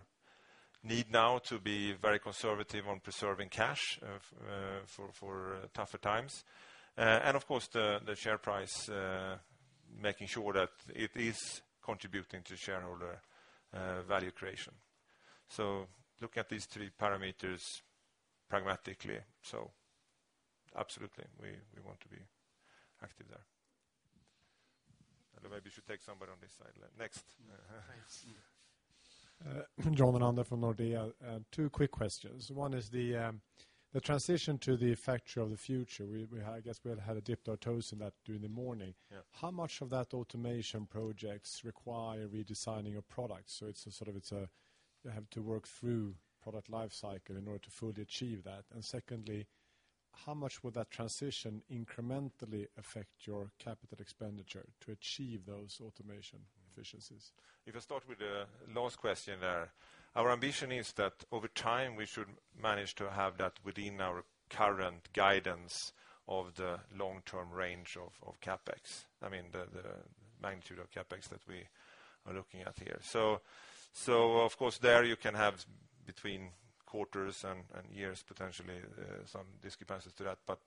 need now to be very conservative on preserving cash for tougher times. Of course, the share price making sure that it is contributing to shareholder value creation. Look at these three parameters pragmatically. Absolutely, we want to be active there. Although maybe we should take somebody on this side. Next. Thanks. John Ananda from Nordea. Two quick questions. One is the transition to the factory of the future. I guess we had a dip our toes in that during the morning. Yeah. How much of that automation projects require redesigning a product? It's a sort of, you have to work through product life cycle in order to fully achieve that. Secondly, how much would that transition incrementally affect your capital expenditure to achieve those automation efficiencies? If I start with the last question there, our ambition is that over time, we should manage to have that within our current guidance of the long-term range of CapEx. I mean, the magnitude of CapEx that we are looking at here. Of course there you can have between quarters and years, potentially, some discrepancies to that, but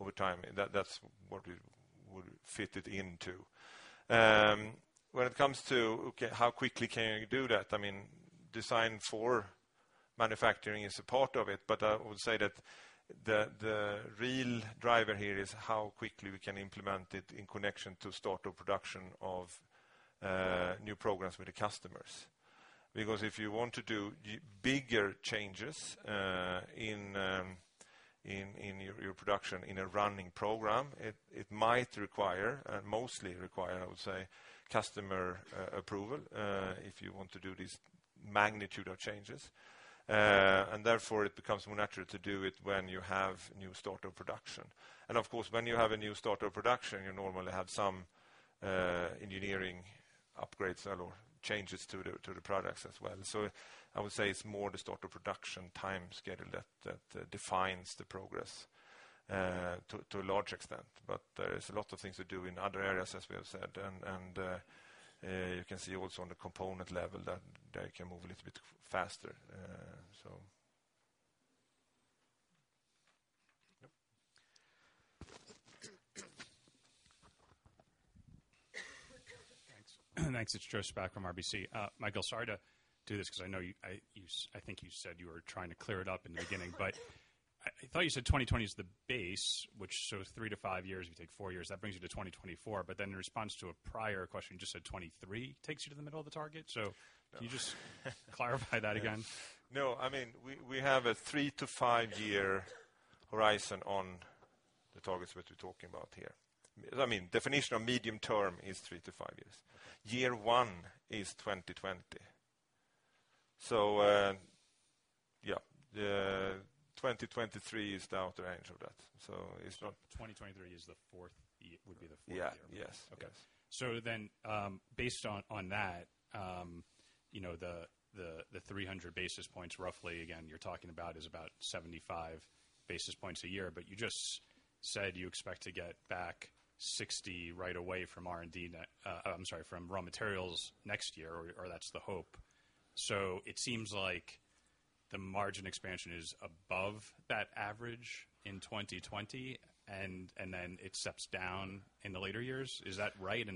over time, that's what we would fit it into. When it comes to how quickly can you do that? Design for manufacturing is a part of it, but I would say that the real driver here is how quickly we can implement it in connection to start of production of new programs with the customers. If you want to do bigger changes in your production in a running program, it might require, and mostly require, I would say, customer approval if you want to do this magnitude of changes. Therefore, it becomes more natural to do it when you have new start of production. Of course, when you have a new start of production, you normally have some engineering upgrades or changes to the products as well. I would say it's more the start of production time schedule that defines the progress to a large extent. There is a lot of things to do in other areas, as we have said, and you can see also on the component level that they can move a little bit faster. Thanks. It's Joe Spak from RBC. Mikael, sorry to do this because I think you said you were trying to clear it up in the beginning, I thought you said 2020 is the base, which, so three to five years, if you take four years, that brings you to 2024. Then in response to a prior question, you just said 2023 takes you to the middle of the target? Can you just clarify that again? No. We have a three to five-year horizon on the targets that we're talking about here. Definition of medium term is three to five years. Year one is 2020. Yeah, 2023 is the out range of that. 2023 would be the fourth year. Yeah. Yes. Based on that, the 300 basis points roughly, again, you're talking about is about 75 basis points a year, but you just said you expect to get back $60 right away from R&D, I'm sorry, from raw materials next year, or that's the hope. It seems like the margin expansion is above that average in 2020, and then it steps down in the later years. Is that right?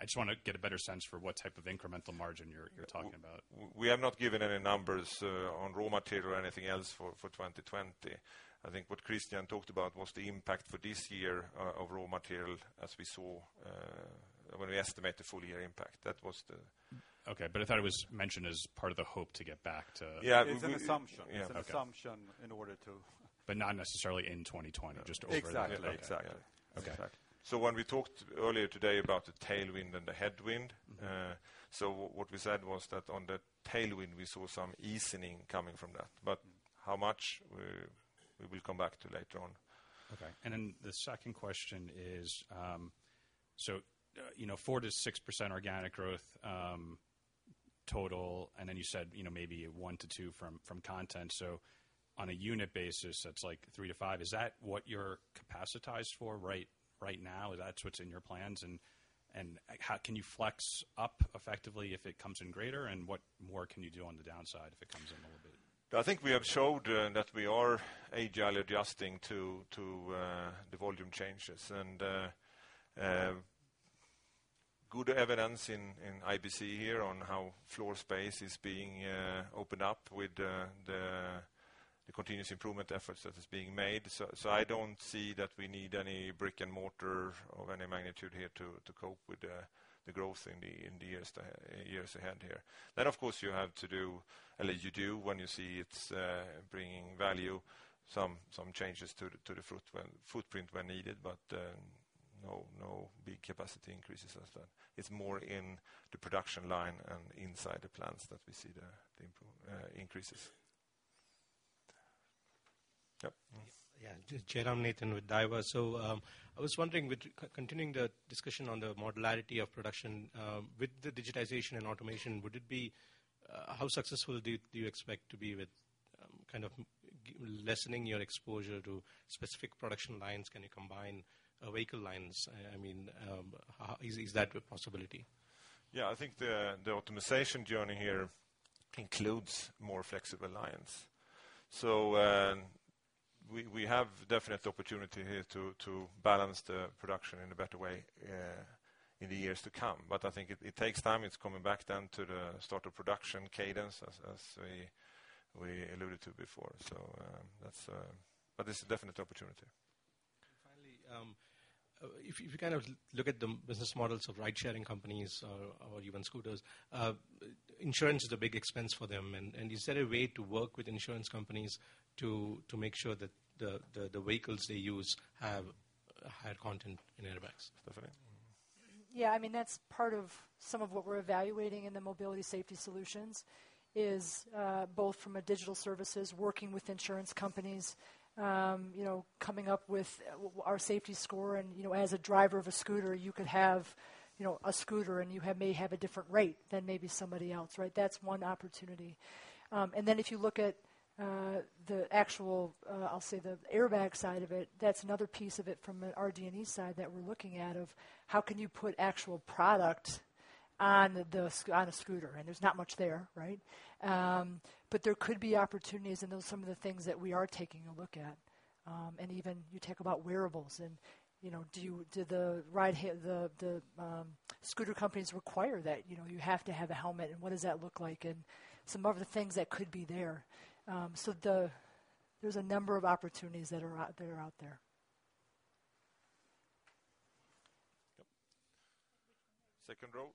I just want to get a better sense for what type of incremental margin you're talking about. We have not given any numbers on raw material or anything else for 2020. I think what Christian talked about was the impact for this year of raw material as we saw when we estimate the full year impact. Okay. I thought it was mentioned as part of the hope to get back to. Yeah. It's an assumption. Yeah. Okay. It's an assumption. Not necessarily in 2020. Exactly. Yeah. Exactly. Okay. When we talked earlier today about the tailwind and the headwind, what we said was that on the tailwind, we saw some easing coming from that. How much, we will come back to later on. Okay. The second question is, 4%-6% organic growth total, you said maybe 1%-2% from content. On a unit basis, that's like 3-5%. Is that what you're capacitized for right now? Is that what's in your plans? Can you flex up effectively if it comes in greater, and what more can you do on the downside if it comes in a little bit? I think we have showed that we are agile adjusting to the volume changes. Good evidence in IBC here on how floor space is being opened up with the continuous improvement efforts that is being made. I don't see that we need any brick and mortar of any magnitude here to cope with the growth in the years ahead here. Of course, you have to do, at least you do when you see it's bringing value, some changes to the footprint when needed. No big capacity increases as that. It's more in the production line and inside the plants that we see the increases. Yep. Yeah. Jairam Nathan with Daiwa. I was wondering, continuing the discussion on the modularity of production, with the digitization and automation, how successful do you expect to be with lessening your exposure to specific production lines? Can you combine vehicle lines? Is that a possibility? Yeah, I think the optimization journey here includes more flexible lines. We have definite opportunity here to balance the production in a better way in the years to come. I think it takes time. It's coming back to the start-of-production cadence as we alluded to before. This is a definite opportunity. Finally, if you look at the business models of ride-sharing companies or even scooters, insurance is a big expense for them. Is there a way to work with insurance companies to make sure that the vehicles they use have higher content in airbags? Yeah, that's part of some of what we're evaluating in the mobility safety solutions, is both from a digital services, working with insurance companies, coming up with our Safety Score. As a driver of a scooter, you could have a scooter, and you may have a different rate than maybe somebody else, right? That's one opportunity. If you look at the actual, I'll say, the airbag side of it, that's another piece of it from an RD&E side that we're looking at of how can you put actual product on a scooter? There's not much there, right? There could be opportunities, and those are some of the things that we are taking a look at. Even you talk about wearables, and do the scooter companies require that you have to have a helmet, and what does that look like? Some of the things that could be there. There's a number of opportunities that are out there. Yep. Second row.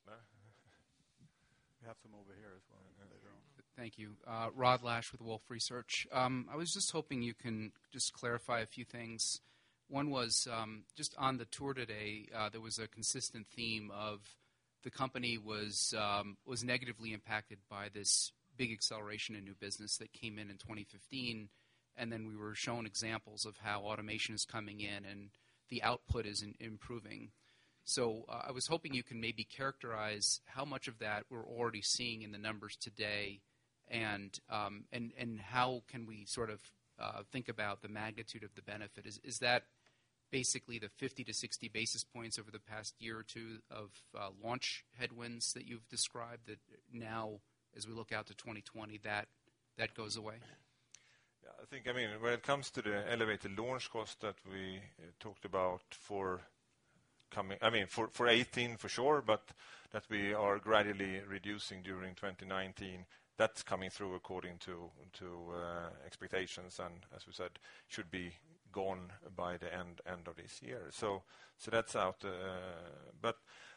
We have some over here as well. Yeah. Thank you. Rod Lache with Wolfe Research. I was hoping you can clarify a few things. One was, on the tour today, there was a consistent theme of the company was negatively impacted by this big acceleration in new business that came in in 2015, and then we were shown examples of how automation is coming in and the output is improving. I was hoping you can maybe characterize how much of that we're already seeing in the numbers today, and how can we think about the magnitude of the benefit? Is that basically the 50-60 basis points over the past year or two of launch headwinds that you've described that now, as we look out to 2020, that goes away? When it comes to the elevated launch cost that we talked about for 2018 for sure, but that we are gradually reducing during 2019. That's coming through according to expectations, and as we said, should be gone by the end of this year. That's out.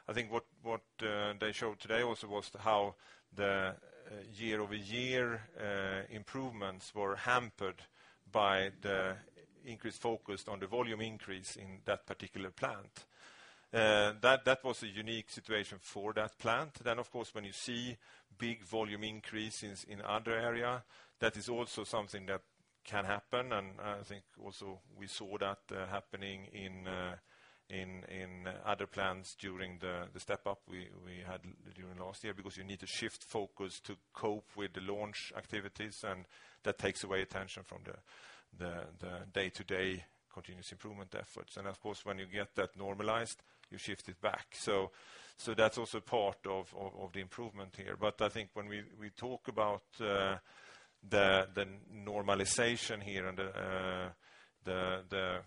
I think what they showed today also was how the year-over-year improvements were hampered by the increased focus on the volume increase in that particular plant. That was a unique situation for that plant. Of course, when you see big volume increases in other area, that is also something that can happen. I think also we saw that happening in other plants during the step-up we had during last year, because you need to shift focus to cope with the launch activities, and that takes away attention from the day-to-day continuous improvement efforts. Of course, when you get that normalized, you shift it back. That's also part of the improvement here. I think when we talk about the normalization here and the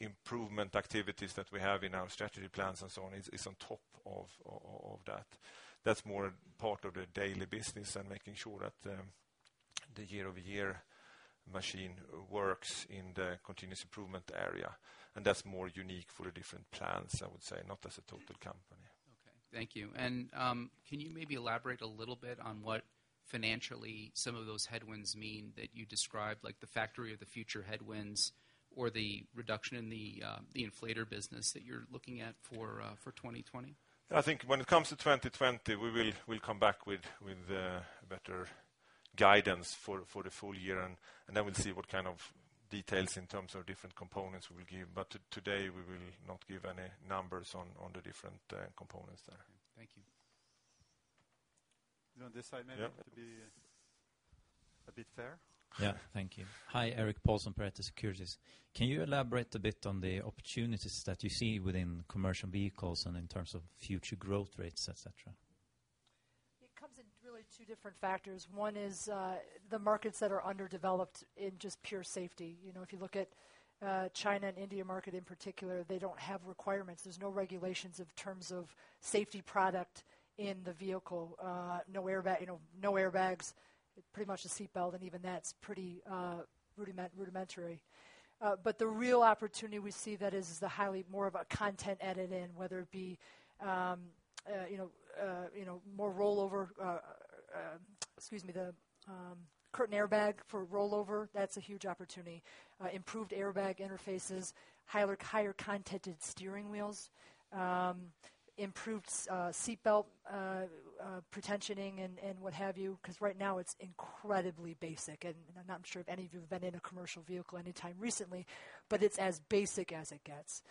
improvement activities that we have in our strategy plans and so on is on top of that. That's more part of the daily business and making sure that the year-over-year machine works in the continuous improvement area. That's more unique for the different plants, I would say, not as a total company. Okay. Thank you. Can you maybe elaborate a little bit on what financially some of those headwinds mean that you described, like the factory of the future headwinds or the reduction in the inflator business that you're looking at for 2020? I think when it comes to 2020, we'll come back with a better guidance for the full year, then we'll see what kind of details in terms of different components we'll give. Today, we will not give any numbers on the different components there. Okay. Thank you. On this side maybe. Yep to be a bit fair. Yeah. Thank you. Hi, Erik Paulsson, Pareto Securities. Can you elaborate a bit on the opportunities that you see within commercial vehicles and in terms of future growth rates, et cetera? It comes in really two different factors. One is the markets that are underdeveloped in just pure safety. If you look at China and India market in particular, they don't have requirements. There's no regulations in terms of safety product in the vehicle. No airbags pretty much a seatbelt, and even that's pretty rudimentary. The real opportunity we see that is the highly more of a content edit in, whether it be more the curtain airbag for rollover, that's a huge opportunity. Improved airbag interfaces, higher content steering wheels, improved seatbelt pre-tensioning and what have you, because right now it's incredibly basic, and I'm not sure if any of you have been in a commercial vehicle anytime recently, but it's as basic as it gets.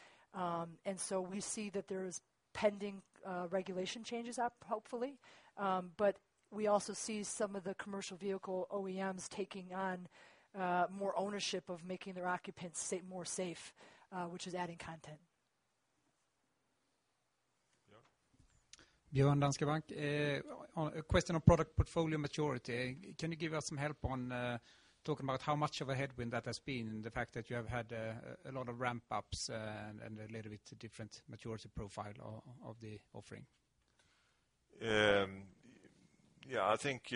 We see that there's pending regulation changes up hopefully. We also see some of the commercial vehicle OEMs taking on more ownership of making their occupants sit more safe, which is adding content. Björn. Björn, Danske Bank. On a question on product portfolio maturity, can you give us some help on talking about how much of a headwind that has been, and the fact that you have had a lot of ramp ups and a little bit different maturity profile of the offering? Yeah. I think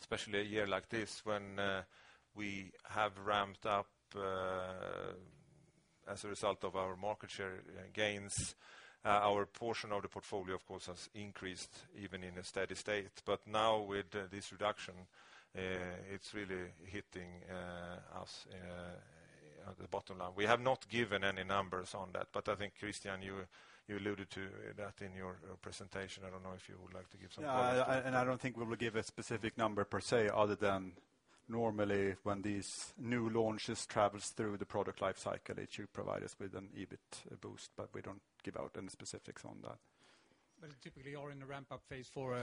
especially a year like this when we have ramped up as a result of our market share gains, our portion of the portfolio of course, has increased even in a steady state. Now with this reduction, it's really hitting us at the bottom line. We have not given any numbers on that, but I think Christian, you alluded to that in your presentation. I don't know if you would like to give some numbers. Yeah. I don't think we will give a specific number per se other than normally when these new launches travels through the product life cycle, it should provide us with an EBIT boost, but we don't give out any specifics on that. typically, you're in the ramp-up phase for.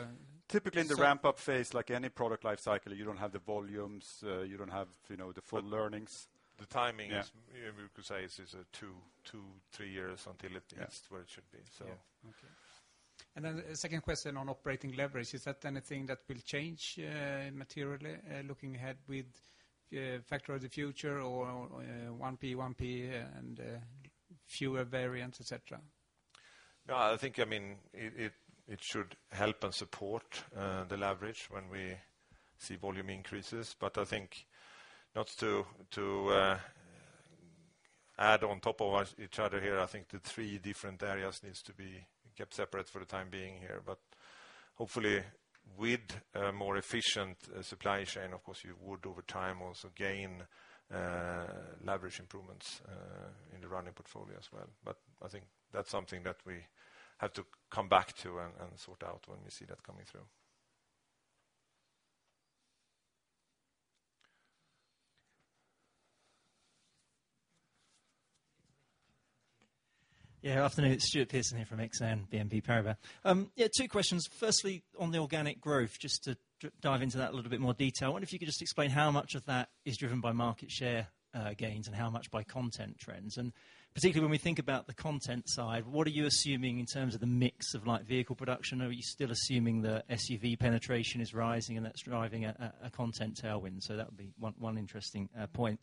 Typically in the ramp-up phase, like any product life cycle, you don't have the volumes, you don't have the full learnings. The timing is- Yeah you could say is two, three years until it gets where it should be. Yeah. Okay. Second question on operating leverage, is that anything that will change materially, looking ahead with Factory of the Future or 1P1P and fewer variants, et cetera? I think it should help and support the leverage when we see volume increases. I think, not to add on top of each other here, I think the three different areas needs to be kept separate for the time being here. Hopefully with a more efficient supply chain, of course, you would, over time, also gain leverage improvements in the running portfolio as well. I think that's something that we have to come back to and sort out when we see that coming through. Afternoon. It's Stuart Pearson here from Exane BNP Paribas. Two questions. Firstly, on the organic growth, just to dive into that a little bit more detail. I wonder if you could just explain how much of that is driven by market share gains and how much by content trends. Particularly when we think about the content side, what are you assuming in terms of the mix of light vehicle production? Are you still assuming the SUV penetration is rising and that's driving a content tailwind? That would be one interesting point.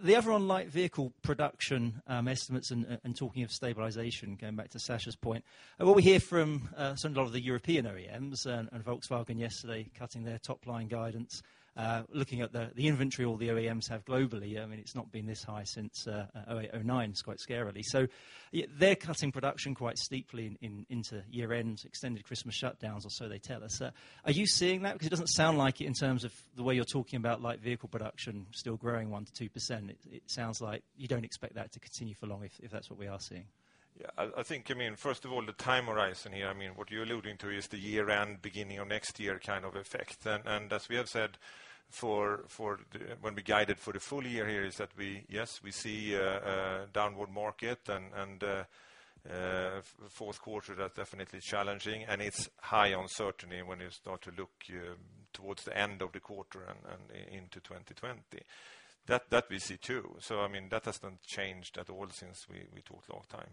The other on light vehicle production estimates and talking of stabilization, going back to Sasha's point, what we hear from certain lot of the European OEMs and Volkswagen yesterday cutting their top line guidance. Looking at the inventory all the OEMs have globally, it's not been this high since 2008, 2009, it's quite scarily. They're cutting production quite steeply into year end, extended Christmas shutdowns or so they tell us. Are you seeing that? It doesn't sound like it in terms of the way you're talking about light vehicle production still growing 1%-2%. It sounds like you don't expect that to continue for long if that's what we are seeing. I think, first of all, the time horizon here. What you're alluding to is the year-end, beginning of next year kind of effect. As we have said when we guided for the full year here is that yes, we see a downward market and fourth quarter, that's definitely challenging and it's high uncertainty when you start to look towards the end of the quarter and into 2020. That we see, too. That hasn't changed at all since we talked last time.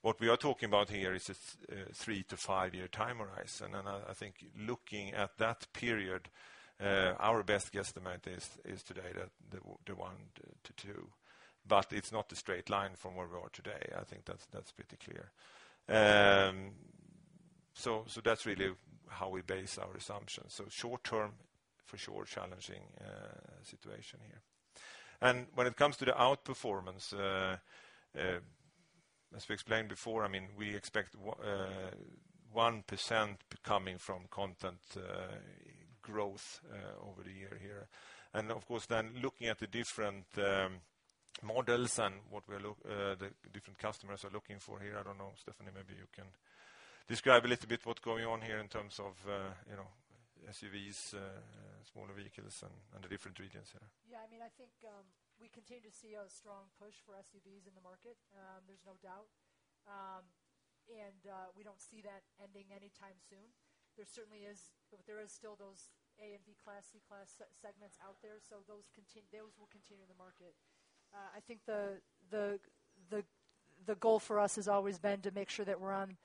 What we are talking about here is a three to five year time horizon, and I think looking at that period, our best guesstimate is today that the 1%-2%, but it's not a straight line from where we are today. I think that's pretty clear. That's really how we base our assumptions. Short term, for sure, challenging situation here. When it comes to the outperformance, as we explained before, we expect 1% coming from content growth over the year here. Of course, then looking at the different models and what the different customers are looking for here, I don't know, Stephanie, maybe you can describe a little bit what's going on here in terms of SUVs, smaller vehicles and the different regions here. Yeah. I think we continue to see a strong push for SUVs in the market. There's no doubt. We don't see that ending anytime soon. There certainly is still those A and B class, C class segments out there. Those will continue in the market. I think the goal for us has always been to make sure that we're on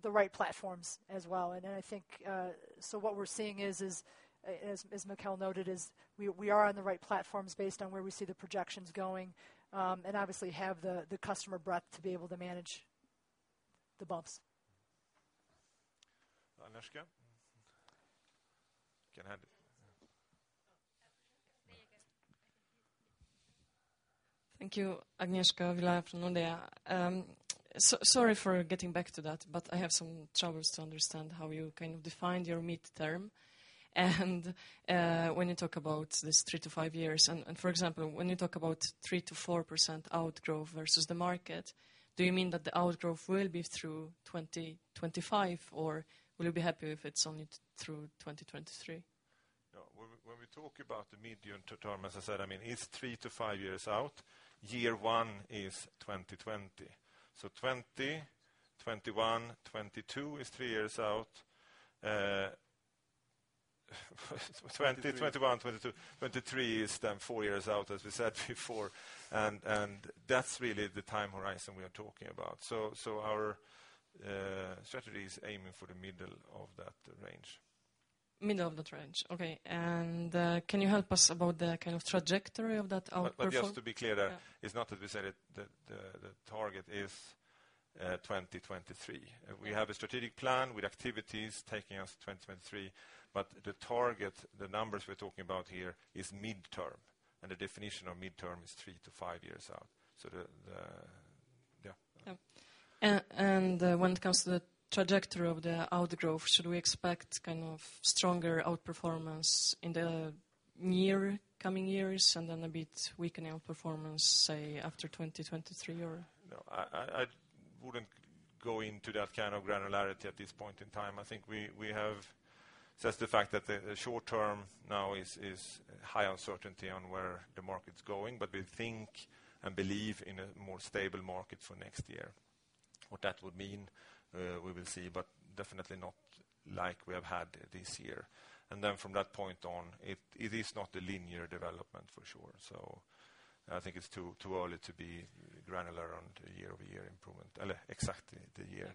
the right platforms as well. I think, what we're seeing is, as Mikael noted, is we are on the right platforms based on where we see the projections going. We obviously have the customer breadth to be able to manage the bumps. Agnieszka? You can have it. There you go. Thank you. Agnieszka Vilela from Nordea. Sorry for getting back to that, but I have some troubles to understand how you kind of defined your midterm and when you talk about this three to five years and for example, when you talk about 3%-4% outgrowth versus the market, do you mean that the outgrowth will be through 2025 or will you be happy if it's only through 2023? When we talk about the medium to term, as I said, it's three to five years out. Year one is 2020. 2020, 2021, 2022 is three years out. 2020, 2021, 2022, 2023 is then four years out, as we said before. That's really the time horizon we are talking about. Our strategy is aiming for the middle of that range. Middle of the range. Okay. Can you help us about the kind of trajectory of that out- Just to be clear there. Yeah. It's not that we said it the target is 2023. We have a strategic plan with activities taking us to 2023, the target, the numbers we're talking about here is midterm, and the definition of midterm is three to five years out. Yeah. When it comes to the trajectory of the outgrowth, should we expect kind of stronger outperformance in the near coming years and then a bit weakening performance, say, after 2023 or? No, I wouldn't go into that kind of granularity at this point in time. I think we have just the fact that the short term now is high uncertainty on where the market's going, but we think and believe in a more stable market for next year. What that would mean, we will see, but definitely not like we have had this year. From that point on, it is not a linear development for sure. I think it's too early to be granular on the year-over-year improvement or exactly the year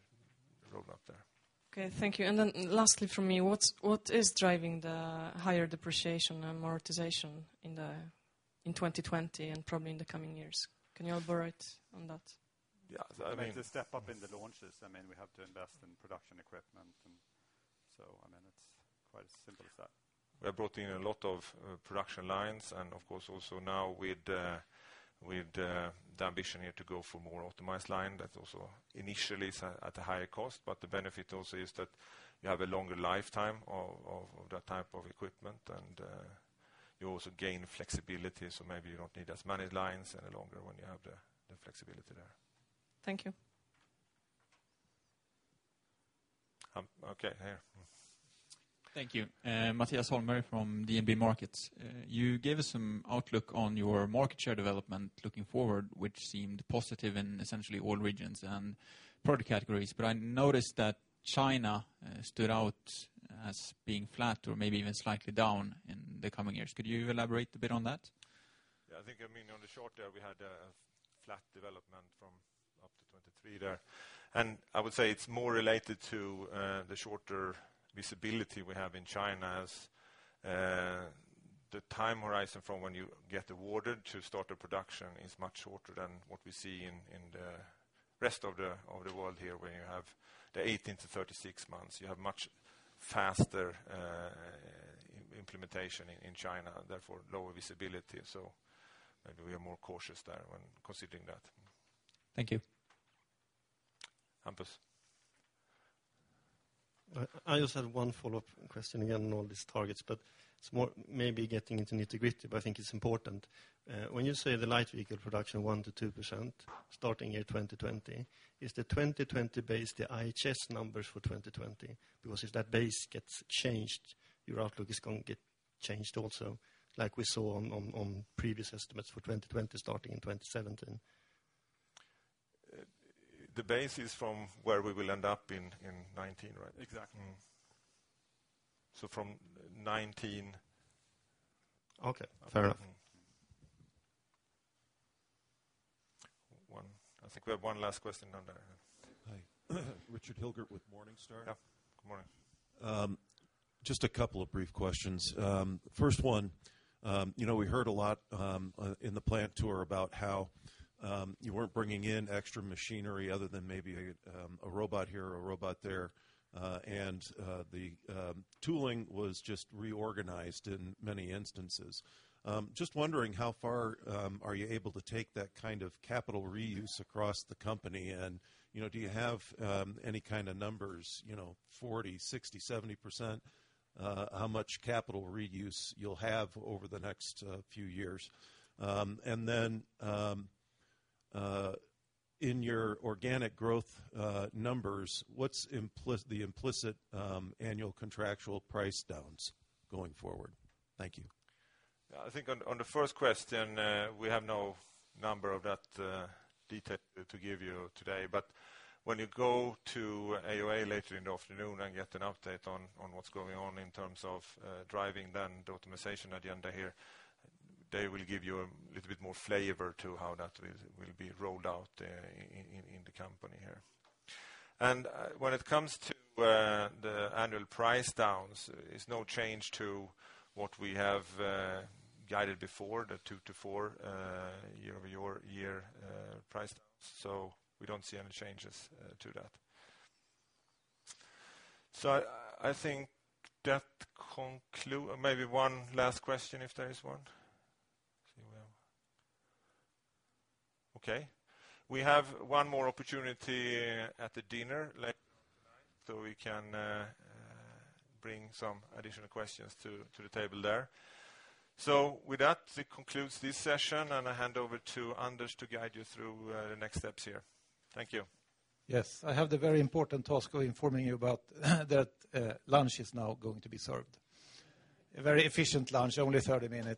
roadmap there. Okay. Thank you. Lastly from me, what is driving the higher depreciation and amortization in 2020 and probably in the coming years? Can you elaborate on that? Yeah. The step up in the launches, we have to invest in production equipment and so it's quite as simple as that. We have brought in a lot of production lines and, of course, also now with the ambition here to go for more optimized line that also initially is at a higher cost. The benefit also is that you have a longer lifetime of that type of equipment and you also gain flexibility. Maybe you don't need as many lines any longer when you have the flexibility there. Thank you. Okay. Here. Thank you. Mattias Holmberg from DNB Markets. You gave us some outlook on your market share development looking forward, which seemed positive in essentially all regions and product categories, but I noticed that China stood out as being flat or maybe even slightly down in the coming years. Could you elaborate a bit on that? Yeah, I think on the short there, we had a flat development from up to 2023 there. I would say it's more related to the shorter visibility we have in China as the time horizon from when you get awarded to start a production is much shorter than what we see in the rest of the world here, where you have the 18-36 months. You have much faster implementation in China, therefore lower visibility. Maybe we are more cautious there when considering that. Thank you. Hampus. I just have one follow-up question again on all these targets, but it's more maybe getting into nitty-gritty, but I think it's important. When you say the Light Vehicle Production 1%-2% starting year 2020, is the 2020 base the IHS numbers for 2020? If that base gets changed, your outlook is going to get changed also, like we saw on previous estimates for 2020 starting in 2017. The base is from where we will end up in 2019, right? Exactly. From 2019. Okay, fair enough. I think we have one last question on there. Hi. Richard Hilgert with Morningstar. Yeah. Good morning. Just a couple of brief questions. First one, we heard a lot in the plant tour about how you weren't bringing in extra machinery other than maybe a robot here or a robot there. The tooling was just reorganized in many instances. Just wondering how far are you able to take that kind of capital reuse across the company and do you have any kind of numbers, 40%, 60%, 70%? How much capital reuse you'll have over the next few years? In your organic growth numbers, what's the implicit annual contractual price downs going forward? Thank you. I think on the first question, we have no number of that detail to give you today. When you go to AOA later in the afternoon and get an update on what's going on in terms of driving the optimization agenda here, they will give you a little bit more flavor to how that will be rolled out in the company here. When it comes to the annual price downs, it's no change to what we have guided before, the two-four year-over-year price downs. We don't see any changes to that. I think that maybe one last question if there is one. Okay. We have one more opportunity at the dinner later on tonight, so we can bring some additional questions to the table there. With that, it concludes this session, and I hand over to Anders to guide you through the next steps here. Thank you. Yes. I have the very important task of informing you about that lunch is now going to be served. A very efficient lunch, only 30 minutes.